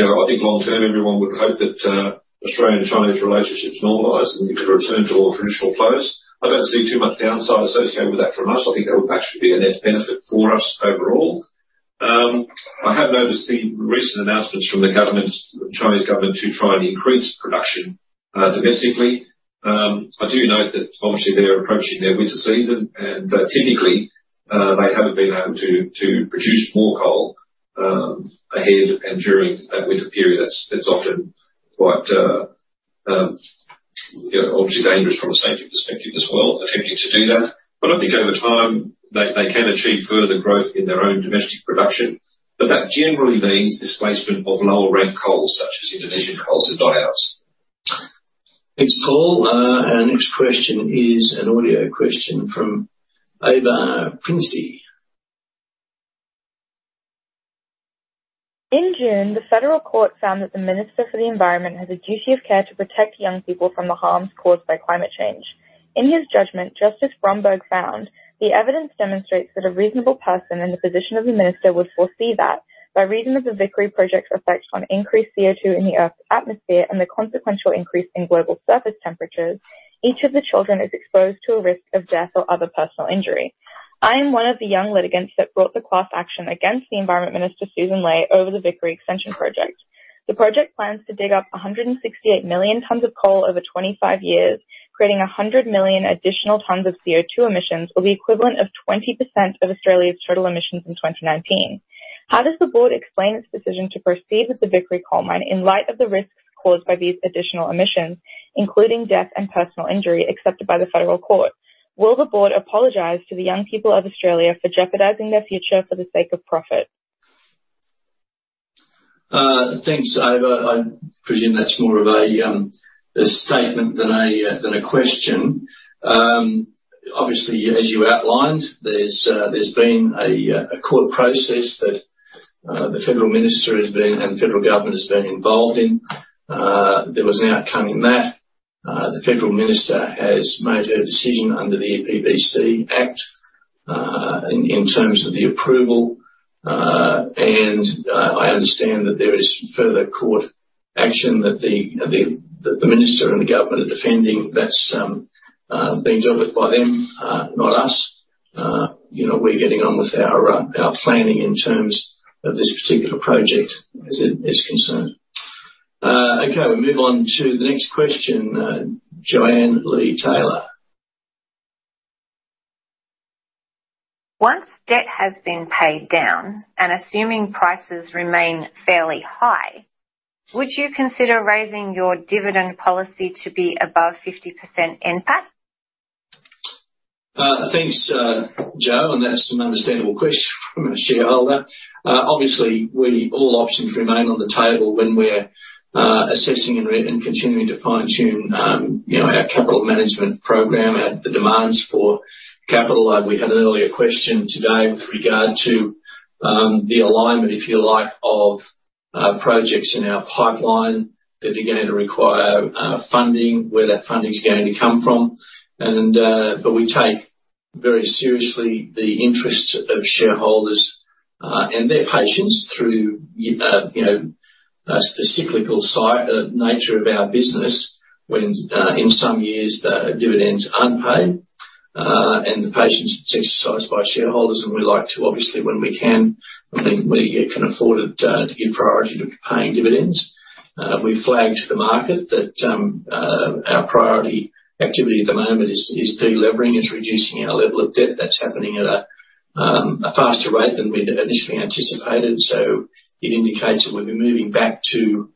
I think long term, everyone would hope that Australia and China's relationships normalize and we could return to more traditional flows. I don't see too much downside associated with that from us. I think that would actually be a net benefit for us overall. I have noticed the recent announcements from the government, the Chinese government, to try and increase production domestically. I do note that obviously they're approaching their winter season, and typically, they haven't been able to produce more coal ahead and during that winter period. It's often quite obviously dangerous from a safety perspective as well attempting to do that. But I think over time, they can achieve further growth in their own domestic production. But that generally means displacement of lower-ranked coals such as Indonesian coals and lignites. Thanks, Paul. And next question is an audio question from Ava Prinz. In June, the Federal Court found that the Minister for the Environment has a duty of care to protect young people from the harms caused by climate change. In his judgment, Justice Bromberg found the evidence demonstrates that a reasonable person in the position of the Minister would foresee that by reason of the Vickery project's effect on increased CO2 in the Earth's atmosphere and the consequential increase in global surface temperatures, each of the children is exposed to a risk of death or other personal injury. I am one of the young litigants that brought the class action against the Environment Minister, Susan Ley, over the Vickery extension project. The project plans to dig up 168 million tons of coal over 25 years, creating 100 million additional tons of CO2 emissions, or the equivalent of 20% of Australia's total emissions in 2019. How does the board explain its decision to proceed with the Vickery coal mine in light of the risks caused by these additional emissions, including death and personal injury, accepted by the Federal Court? Will the board apologize to the young people of Australia for jeopardizing their future for the sake of profit? Thanks, Ava. I presume that's more of a statement than a question. Obviously, as you outlined, there's been a court process that the Federal Minister has been and the Federal Government has been involved in. There was an outcome in that. The Federal Minister has made her decision under the EPBC Act in terms of the approval, and I understand that there is further court action that the Minister and the Government are defending. That's being dealt with by them, not us. We're getting on with our planning in terms of this particular project as it is concerned. Okay. We move on to the next question, Joanne Lee Taylor. Once debt has been paid down and assuming prices remain fairly high, would you consider raising your dividend policy to be above 50% NPAT? Thanks, Jo, and that's an understandable question from a shareholder. Obviously, we have all options remain on the table when we're assessing and continuing to fine-tune our capital management program, the demands for capital. We had an earlier question today with regard to the alignment, if you like, of projects in our pipeline that are going to require funding, where that funding's going to come from. But we take very seriously the interests of shareholders and their patience through the cyclical nature of our business when in some years the dividends aren't paid and the patience that's exercised by shareholders. And we like to, obviously, when we can, when we can afford it, to give priority to paying dividends. We flag to the market that our priority activity at the moment is delivering, is reducing our level of debt. That's happening at a faster rate than we initially anticipated. So it indicates that we'll be moving back to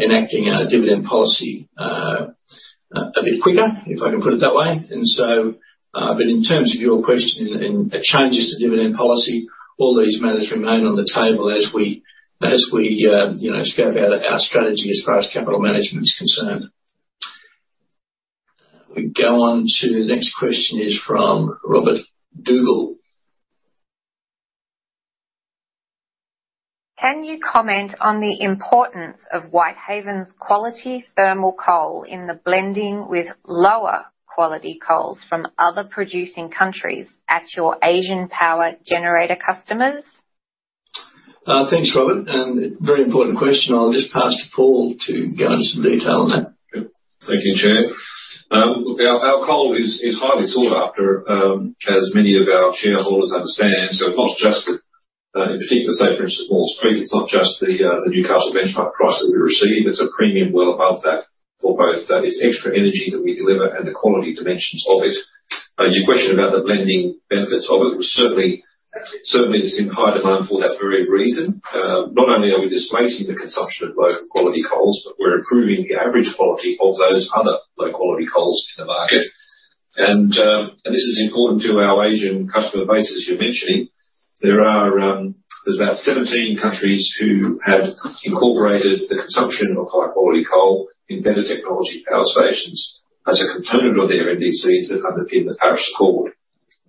enacting our dividend policy a bit quicker, if I can put it that way. And so, but in terms of your question and changes to dividend policy, all these matters remain on the table as we scope out our strategy as far as capital management's concerned. We go on to the next question is from Robert Dougall. Can you comment on the importance of Whitehaven's quality thermal coal in the blending with lower-quality coals from other producing countries at your Asian power generator customers? Thanks, Robert. And very important question. I'll just pass to Paul to go into some detail on that. Thank you, Chair. Our coal is highly sought after, as many of our shareholders understand. So it's not just in particular, say, for instance, Wall Street, it's not just the Newcastle benchmark price that we receive. It's a premium well above that for both its extra energy that we deliver and the quality dimensions of it. Your question about the blending benefits of it was certainly. There's been high demand for that very reason. Not only are we displacing the consumption of low-quality coals, but we're improving the average quality of those other low-quality coals in the market, and this is important to our Asian customer base, as you're mentioning. There's about 17 countries who have incorporated the consumption of high-quality coal in better technology power stations as a component of their NDCs that underpin the Paris Accord,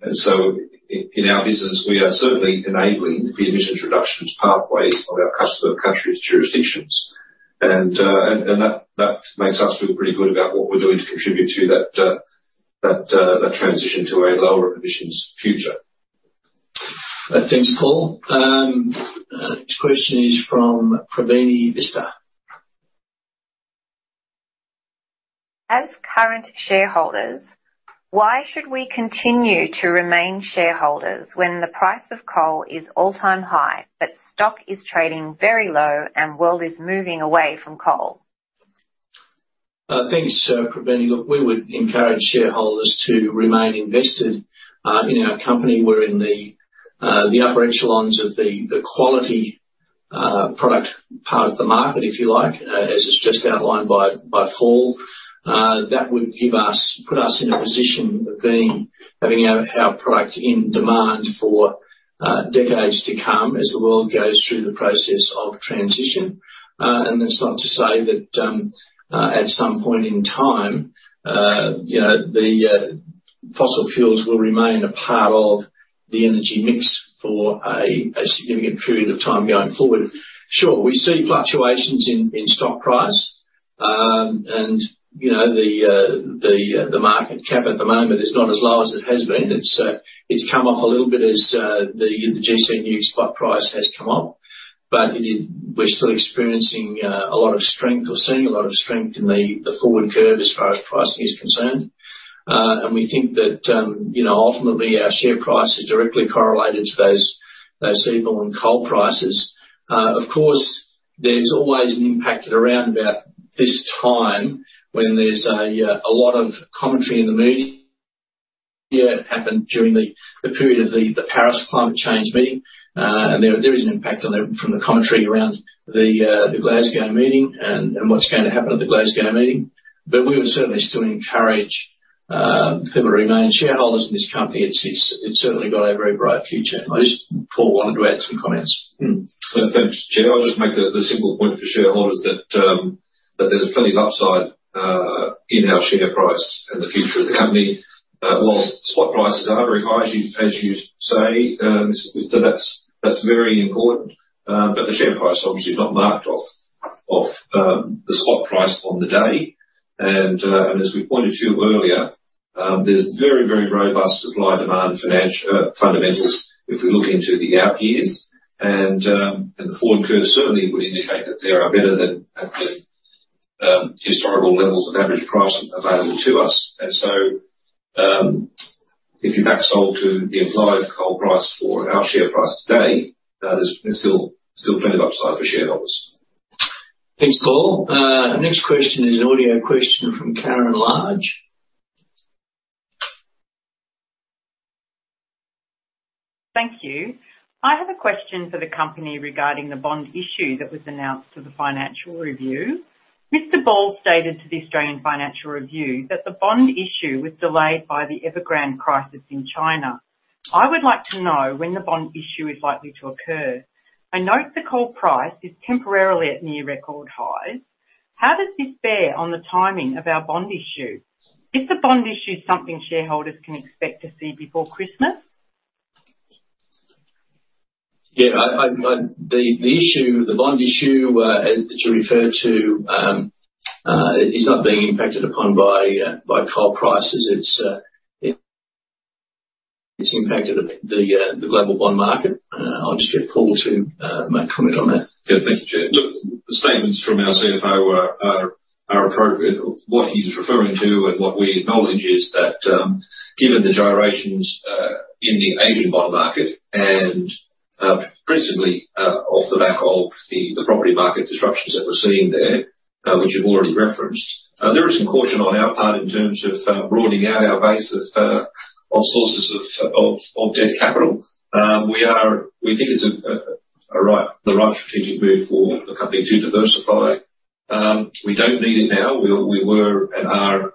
and so in our business, we are certainly enabling the emissions reductions pathways of our customer countries' jurisdictions, and that makes us feel pretty good about what we're doing to contribute to that transition to a lower emissions future. Thanks, Paul. Next question is from Praveen Bista. As current shareholders, why should we continue to remain shareholders when the price of coal is all-time high but stock is trading very low and world is moving away from coal? Thanks, Praveeni. Look, we would encourage shareholders to remain invested in our company. We're in the upper echelons of the quality product part of the market, if you like, as is just outlined by Paul. That would put us in a position of having our product in demand for decades to come as the world goes through the process of transition. And that's not to say that at some point in time, the fossil fuels will remain a part of the energy mix for a significant period of time going forward. Sure, we see fluctuations in stock price. And the market cap at the moment is not as low as it has been. It's come up a little bit as the GC and UG spot price has come up. But we're still experiencing a lot of strength or seeing a lot of strength in the forward curve as far as pricing is concerned. And we think that ultimately, our share price is directly correlated to those seaborne coal prices. Of course, there's always an impact around about this time when there's a lot of commentary in the media happened during the period of the Paris climate change meeting. And there is an impact on them from the commentary around the Glasgow meeting and what's going to happen at the Glasgow meeting. But we would certainly still encourage people to remain shareholders in this company. It's certainly got a very bright future. I just, Paul, wanted to add some comments. Thanks, Chair. I'll just make the simple point for shareholders that there's plenty of upside in our share price and the future of the company. Whilst spot prices are very high, as you say, so that's very important. But the share price obviously is not marked off the spot price on the day. And as we pointed to earlier, there's very, very robust supply-demand fundamentals if we look into the out years. And the forward curve certainly would indicate that they are better than historical levels of average price available to us. And so if you back out to the implied coal price for our share price today, there's still plenty of upside for shareholders. Thanks, Paul. Next question is an audio question from Karen Large. Thank you. I have a question for the company regarding the bond issue that was announced to the Financial Review. Mr. Ball stated to the Australian Financial Review that the bond issue was delayed by the Evergrande crisis in China. I would like to know when the bond issue is likely to occur. I note the coal price is temporarily at near record highs. How does this bear on the timing of our bond issue? Is the bond issue something shareholders can expect to see before Christmas? Yeah. The issue, the bond issue that you referred to, is not being impacted upon by coal prices. It's impacted the global bond market. I'll just get Paul to make a comment on that. Yeah. Thank you, Chair. Look, the statements from our CFO are appropriate. What he's referring to and what we acknowledge is that given the gyrations in the Asian bond market and principally off the back of the property market disruptions that we're seeing there, which you've already referenced, there is some caution on our part in terms of broadening out our base of sources of debt capital. We think it's the right strategic move for the company to diversify. We don't need it now. We were and are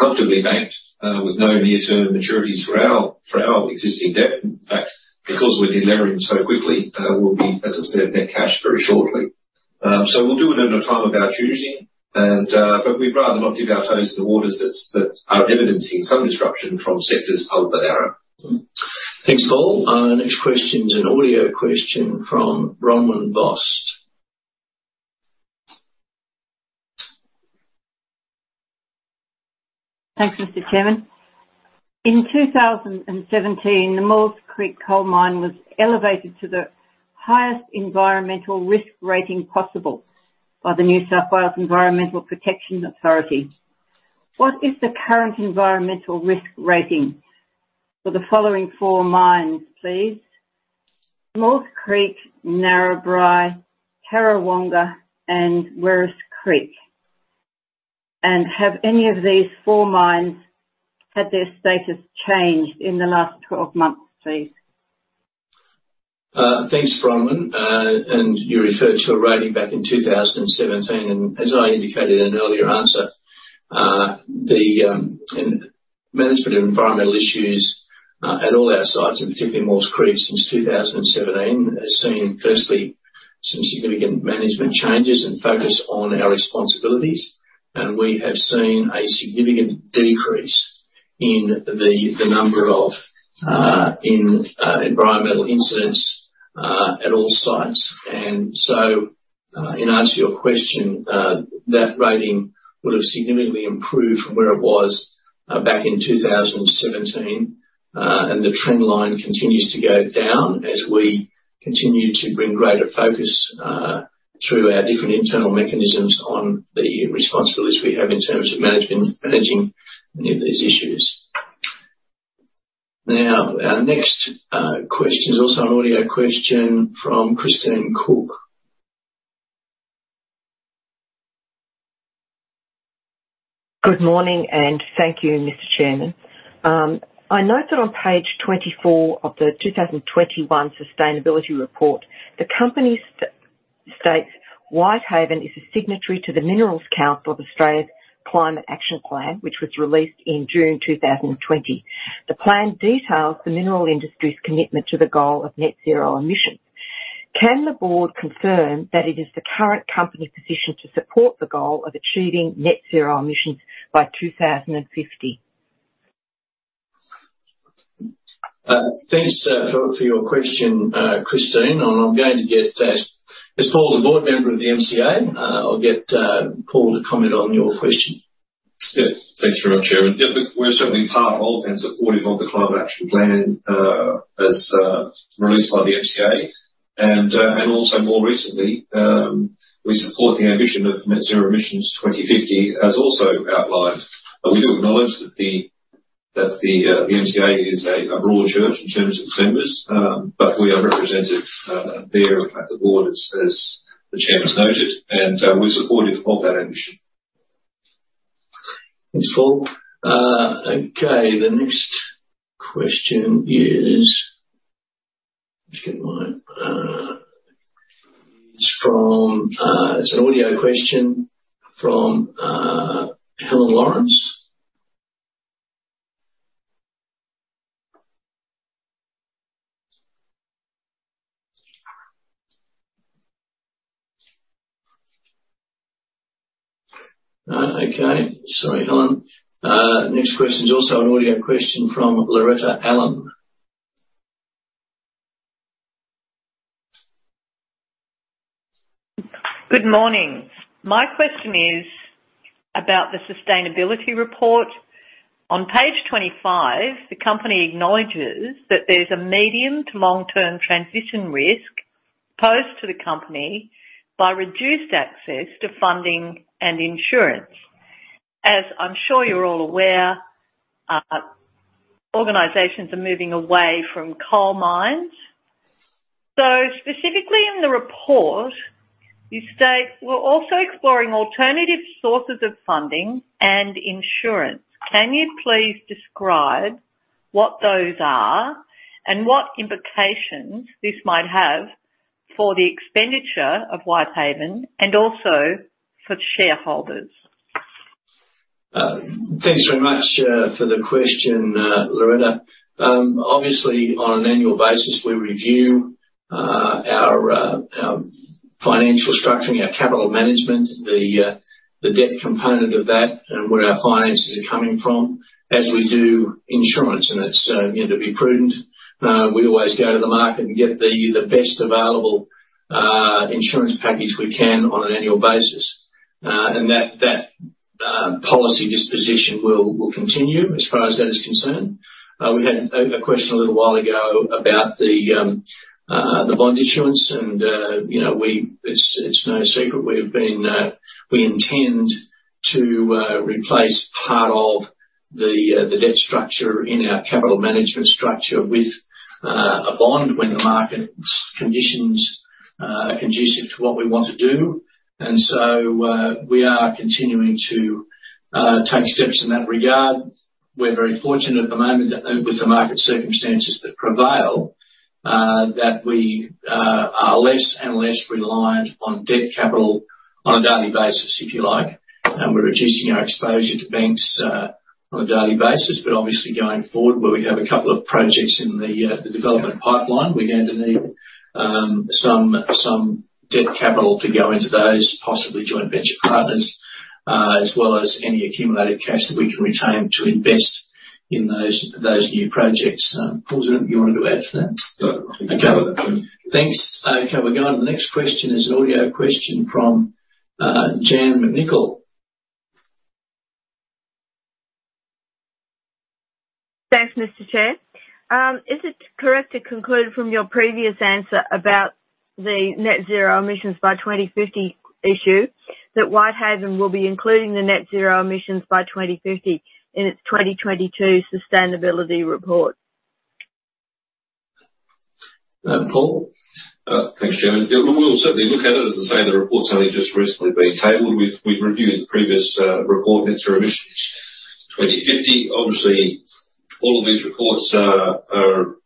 comfortably banked with no near-term maturities for our existing debt. In fact, because we're delivering so quickly, we'll be, as I said, net cash very shortly. So we'll do it in a time of our choosing. But we'd rather not dip our toes in the waters that are evidencing some disruption from sectors up and down. Thanks, Paul. Next question is an audio question from Bronwyn Vost. Thanks, Mr. Chairman. In 2017, the Maules Creek Coal Mine was elevated to the highest environmental risk rating possible by the NSW Environment Protection Authority. What is the current environmental risk rating for the following four mines, please? Maules Creek, Narrabri, Tarrawonga, and Werris Creek. And have any of these four mines had their status changed in the last 12 months, please? Thanks, Bronwyn. And you referred to a rating back in 2017. And as I indicated in an earlier answer, the management of environmental issues at all our sites, and particularly Maules Creek since 2017, has seen firstly some significant management changes and focus on our responsibilities. And we have seen a significant decrease in the number of environmental incidents at all sites. And so in answer to your question, that rating would have significantly improved from where it was back in 2017. The trend line continues to go down as we continue to bring greater focus through our different internal mechanisms on the responsibilities we have in terms of managing any of these issues. Now, our next question is also an audio question from Christine Cook. Good morning and thank you, Mr. Chairman. I note that on page 24 of the 2021 sustainability report, the company states, "Whitehaven is a signatory to the Minerals Council of Australia's Climate Action Plan, which was released in June 2020. The plan details the mineral industry's commitment to the goal of net zero emissions. Can the board confirm that the company is currently positioned to support the goal of achieving net zero emissions by 2050?" Thanks for your question, Christine. I'm going to get Paul, as he's a board member of the MCA, to comment on your question. Yeah. Thanks very much, Chairman. Yeah. Look, we're certainly part of and supportive of the Climate Action Plan as released by the MCA. And also more recently, we support the ambition of net zero emissions 2050 as also outlined. We do acknowledge that the MCA is a broad church in terms of its members, but we are represented there at the board as the chairman's noted. And we're supportive of that ambition. Thanks, Paul. Okay. The next question is let me just get my it's an audio question from Helen Lawrence. Okay. Sorry, Helen. Next question is also an audio question from Loretta Allen. Good morning. My question is about the sustainability report. On page 25, the company acknowledges that there's a medium to long-term transition risk posed to the company by reduced access to funding and insurance. As I'm sure you're all aware, organizations are moving away from coal mines. So specifically in the report, you state, "We're also exploring alternative sources of funding and insurance." Can you please describe what those are and what implications this might have for the expenditure of Whitehaven and also for shareholders? Thanks very much for the question, Loretta. Obviously, on an annual basis, we review our financial structuring, our capital management, the debt component of that, and where our finances are coming from as we do insurance. And that policy disposition will continue as far as that is concerned. We had a question a little while ago about the bond issuance. And it's no secret we intend to replace part of the debt structure in our capital management structure with a bond when the market conditions are conducive to what we want to do. And so we are continuing to take steps in that regard. We're very fortunate at the moment with the market circumstances that prevail that we are less and less reliant on debt capital on a daily basis, if you like. And we're reducing our exposure to banks on a daily basis. But obviously, going forward, where we have a couple of projects in the development pipeline, we're going to need some debt capital to go into those, possibly joint venture partners, as well as any accumulated cash that we can retain to invest in those new projects. Paul, do you want to add to that? No. Thanks. Okay. We're going to the next question. There's an audio question from Jan McNicol. Thanks, Mr. Chair. Is it correct to conclude from your previous answer about the net zero emissions by 2050 issue that Whitehaven will be including the net zero emissions by 2050 in its 2022 sustainability report? Paul? Thanks, Chairman. We'll certainly look at it as I say, the report's only just recently been tabled. We've reviewed the previous report, net zero emissions 2050. Obviously, all of these reports are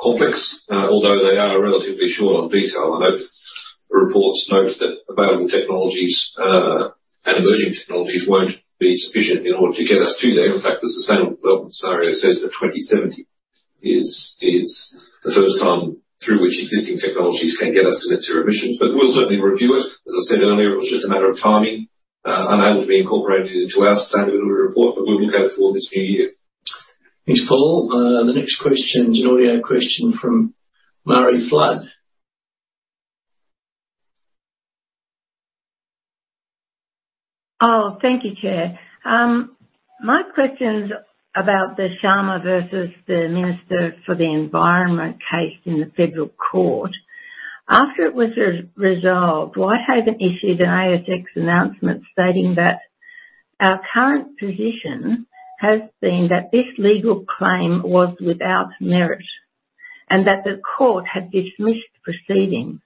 complex, although they are relatively short on detail. I hope the reports note that available technologies and emerging technologies won't be sufficient in order to get us to there. In fact, the Sustainable Development Scenario says that 2070 is the first time through which existing technologies can get us to net zero emissions. But we'll certainly review it. As I said earlier, it was just a matter of timing, unable to be incorporated into our sustainability report. But we'll look at it for this new year. Thanks, Paul. The next question is an audio question from Mary Flood. Oh, thank you, Chair. My question's about the Sharma versus the Minister for the Environment case in the Federal Court. After it was resolved, Whitehaven issued an ASX announcement stating that our current position has been that this legal claim was without merit and that the court had dismissed the proceedings.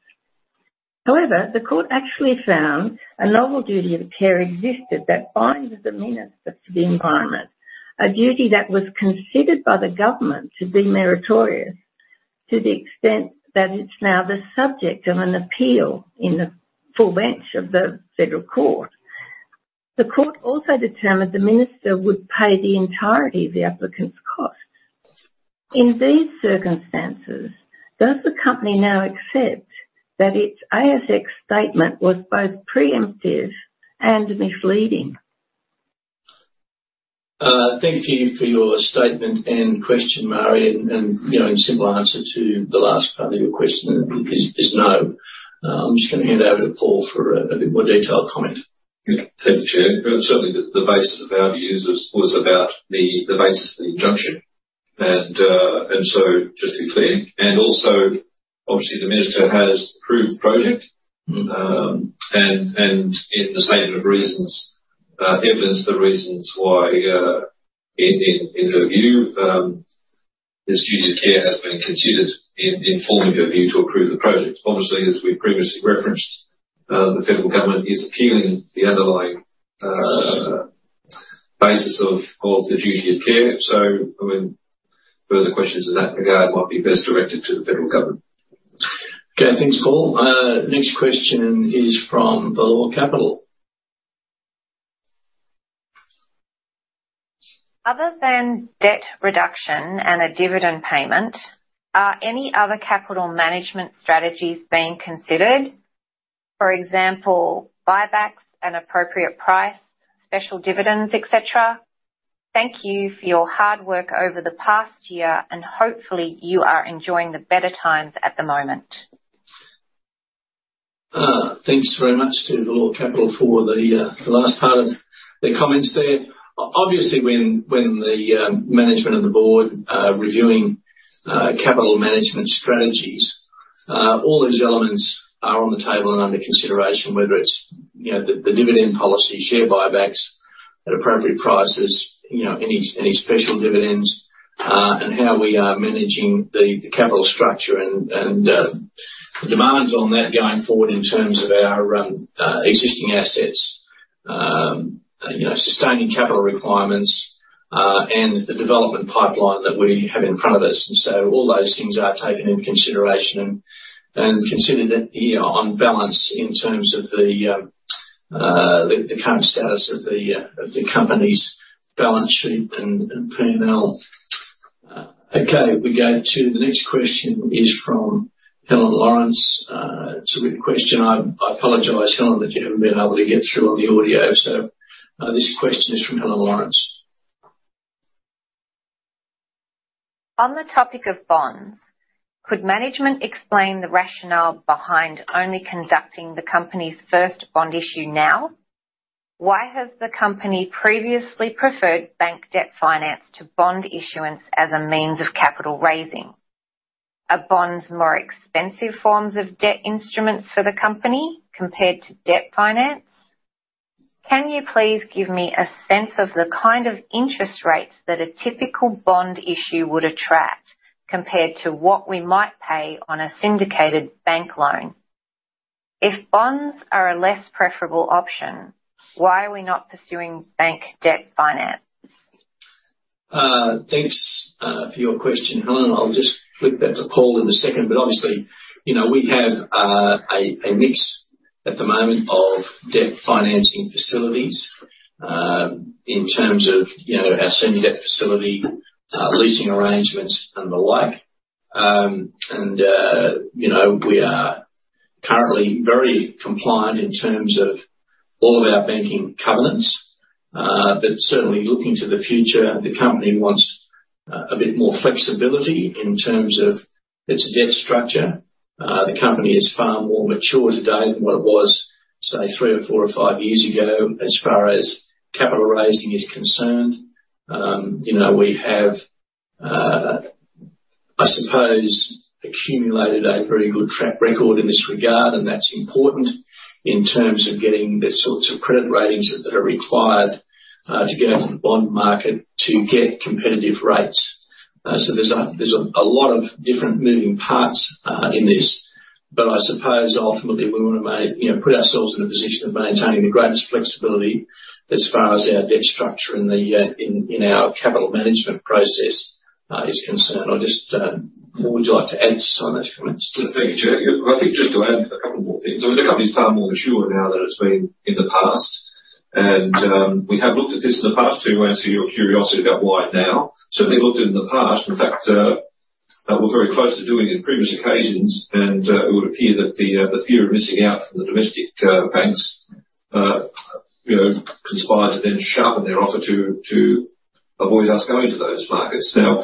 However, the court actually found a novel duty of care existed that binds the Minister for the Environment, a duty that was considered by the government to be meritorious to the extent that it's now the subject of an appeal in the full bench of the Federal Court. The court also determined the Minister would pay the entirety of the applicant's costs. In these circumstances, does the company now accept that its ASX statement was both preemptive and misleading? Thank you for your statement and question, Mary. A simple answer to the last part of your question is no. I'm just going to hand over to Paul for a bit more detailed comment. Thank you, Chair. Certainly, the basis of our views was about the basis of the injunction. And so just to be clear. And also, obviously, the Minister has approved the project. And in the statement of reasons, evidencing the reasons why in her view, this duty of care has been considered in forming her view to approve the project. Obviously, as we previously referenced, the Federal Government is appealing the underlying basis of the duty of care. So further questions in that regard might be best directed to the Federal Government. Okay. Thanks, Paul. Next question is from Vellore Capital. Other than debt reduction and a dividend payment, are any other capital management strategies being considered? For example, buybacks at appropriate price, special dividends, etc. Thank you for your hard work over the past year, and hopefully, you are enjoying the better times at the moment. Thanks very much to Vellore Capital for the last part of their comments there. Obviously, when the management of the board is reviewing capital management strategies, all those elements are on the table and under consideration, whether it's the dividend policy, share buybacks at appropriate prices, any special dividends, and how we are managing the capital structure and the demands on that going forward in terms of our existing assets, sustaining capital requirements, and the development pipeline that we have in front of us. And so all those things are taken into consideration and considered on balance in terms of the current status of the company's balance sheet and P&L. Okay. We go to the next question is from Helen Lawrence. It's a question I apologise, Helen, that you haven't been able to get through on the audio. So this question is from Helen Lawrence. On the topic of bonds, could management explain the rationale behind only conducting the company's first bond issue now? Why has the company previously preferred bank debt finance to bond issuance as a means of capital raising? Are bonds more expensive forms of debt instruments for the company compared to debt finance? Can you please give me a sense of the kind of interest rates that a typical bond issue would attract compared to what we might pay on a syndicated bank loan? If bonds are a less preferable option, why are we not pursuing bank debt finance? Thanks for your question, Helen. I'll just flip that to Paul in a second. But obviously, we have a mix at the moment of debt financing facilities in terms of our senior debt facility, leasing arrangements, and the like. And we are currently very compliant in terms of all of our banking covenants. But certainly, looking to the future, the company wants a bit more flexibility in terms of its debt structure. The company is far more mature today than what it was, say, three or four or five years ago as far as capital raising is concerned. We have, I suppose, accumulated a very good track record in this regard. And that's important in terms of getting the sorts of credit ratings that are required to go into the bond market to get competitive rates. So there's a lot of different moving parts in this. But I suppose, ultimately, we want to put ourselves in a position of maintaining the greatest flexibility as far as our debt structure and in our capital management process is concerned. Or just, Paul, would you like to add to some of those comments? Thank you, Chair. I think just to add a couple more things. I mean, the company's far more mature now than it's been in the past. And we have looked at this in the past to answer your curiosity about why now. Certainly, looked at it in the past. In fact, we're very close to doing it in previous occasions. And it would appear that the fear of missing out from the domestic banks conspired to then sharpen their offer to avoid us going to those markets. Now,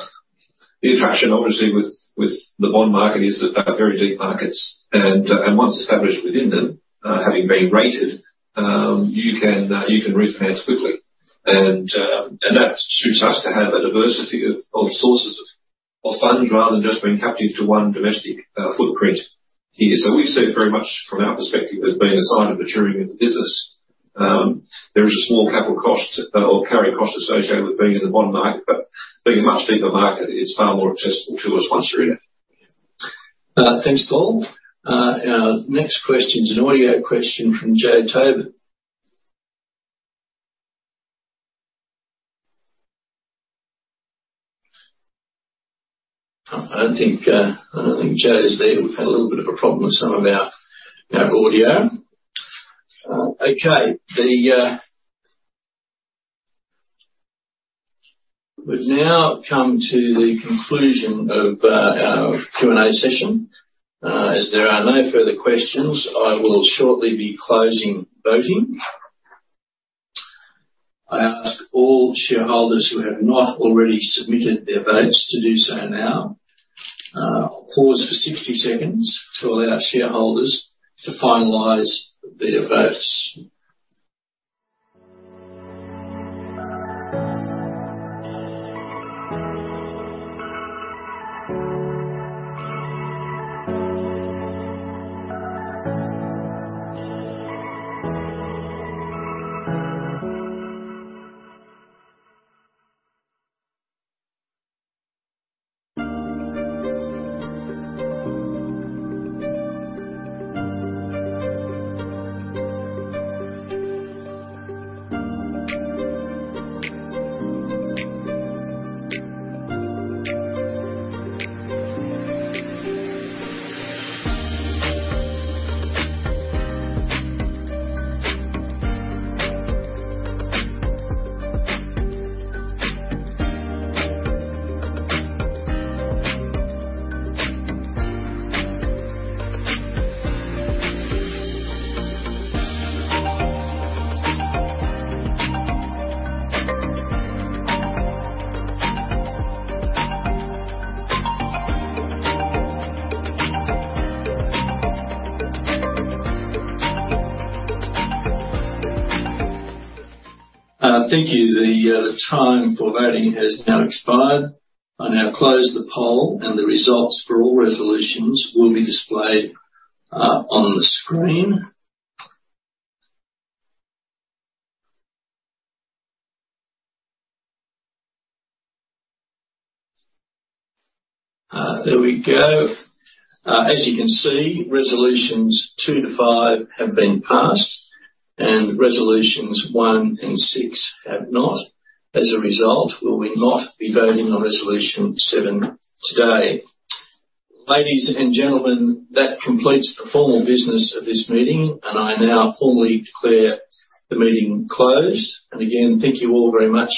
the attraction, obviously, with the bond market is that they're very deep markets. And once established within them, having been rated, you can refinance quickly. And that suits us to have a diversity of sources of funds rather than just being captive to one domestic footprint here. So we see it very much from our perspective as being a sign of maturing of the business. There is a small capital cost or carry cost associated with being in the bond market. But being a much deeper market, it's far more accessible to us once you're in it. Thanks, Paul. Next question is an audio question from Joe Taban. I don't think Joe's there. We've had a little bit of a problem with some of our audio. Okay. We've now come to the conclusion of our Q&A session. As there are no further questions, I will shortly be closing voting. I ask all shareholders who have not already submitted their votes to do so now. I'll pause for 60 seconds to allow shareholders to finalize their votes. Thank you. The time for voting has now expired. I now close the poll. And the results for all resolutions will be displayed on the screen. There we go. As you can see, resolutions two to five have been passed. And resolutions one and six have not. As a result, we will not be voting on resolution seven today. Ladies and gentlemen, that completes the formal business of this meeting. And I now formally declare the meeting closed. And again, thank you all very much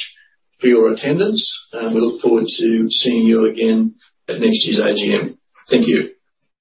for your attendance. And we look forward to seeing you again at next year's AGM. Thank you.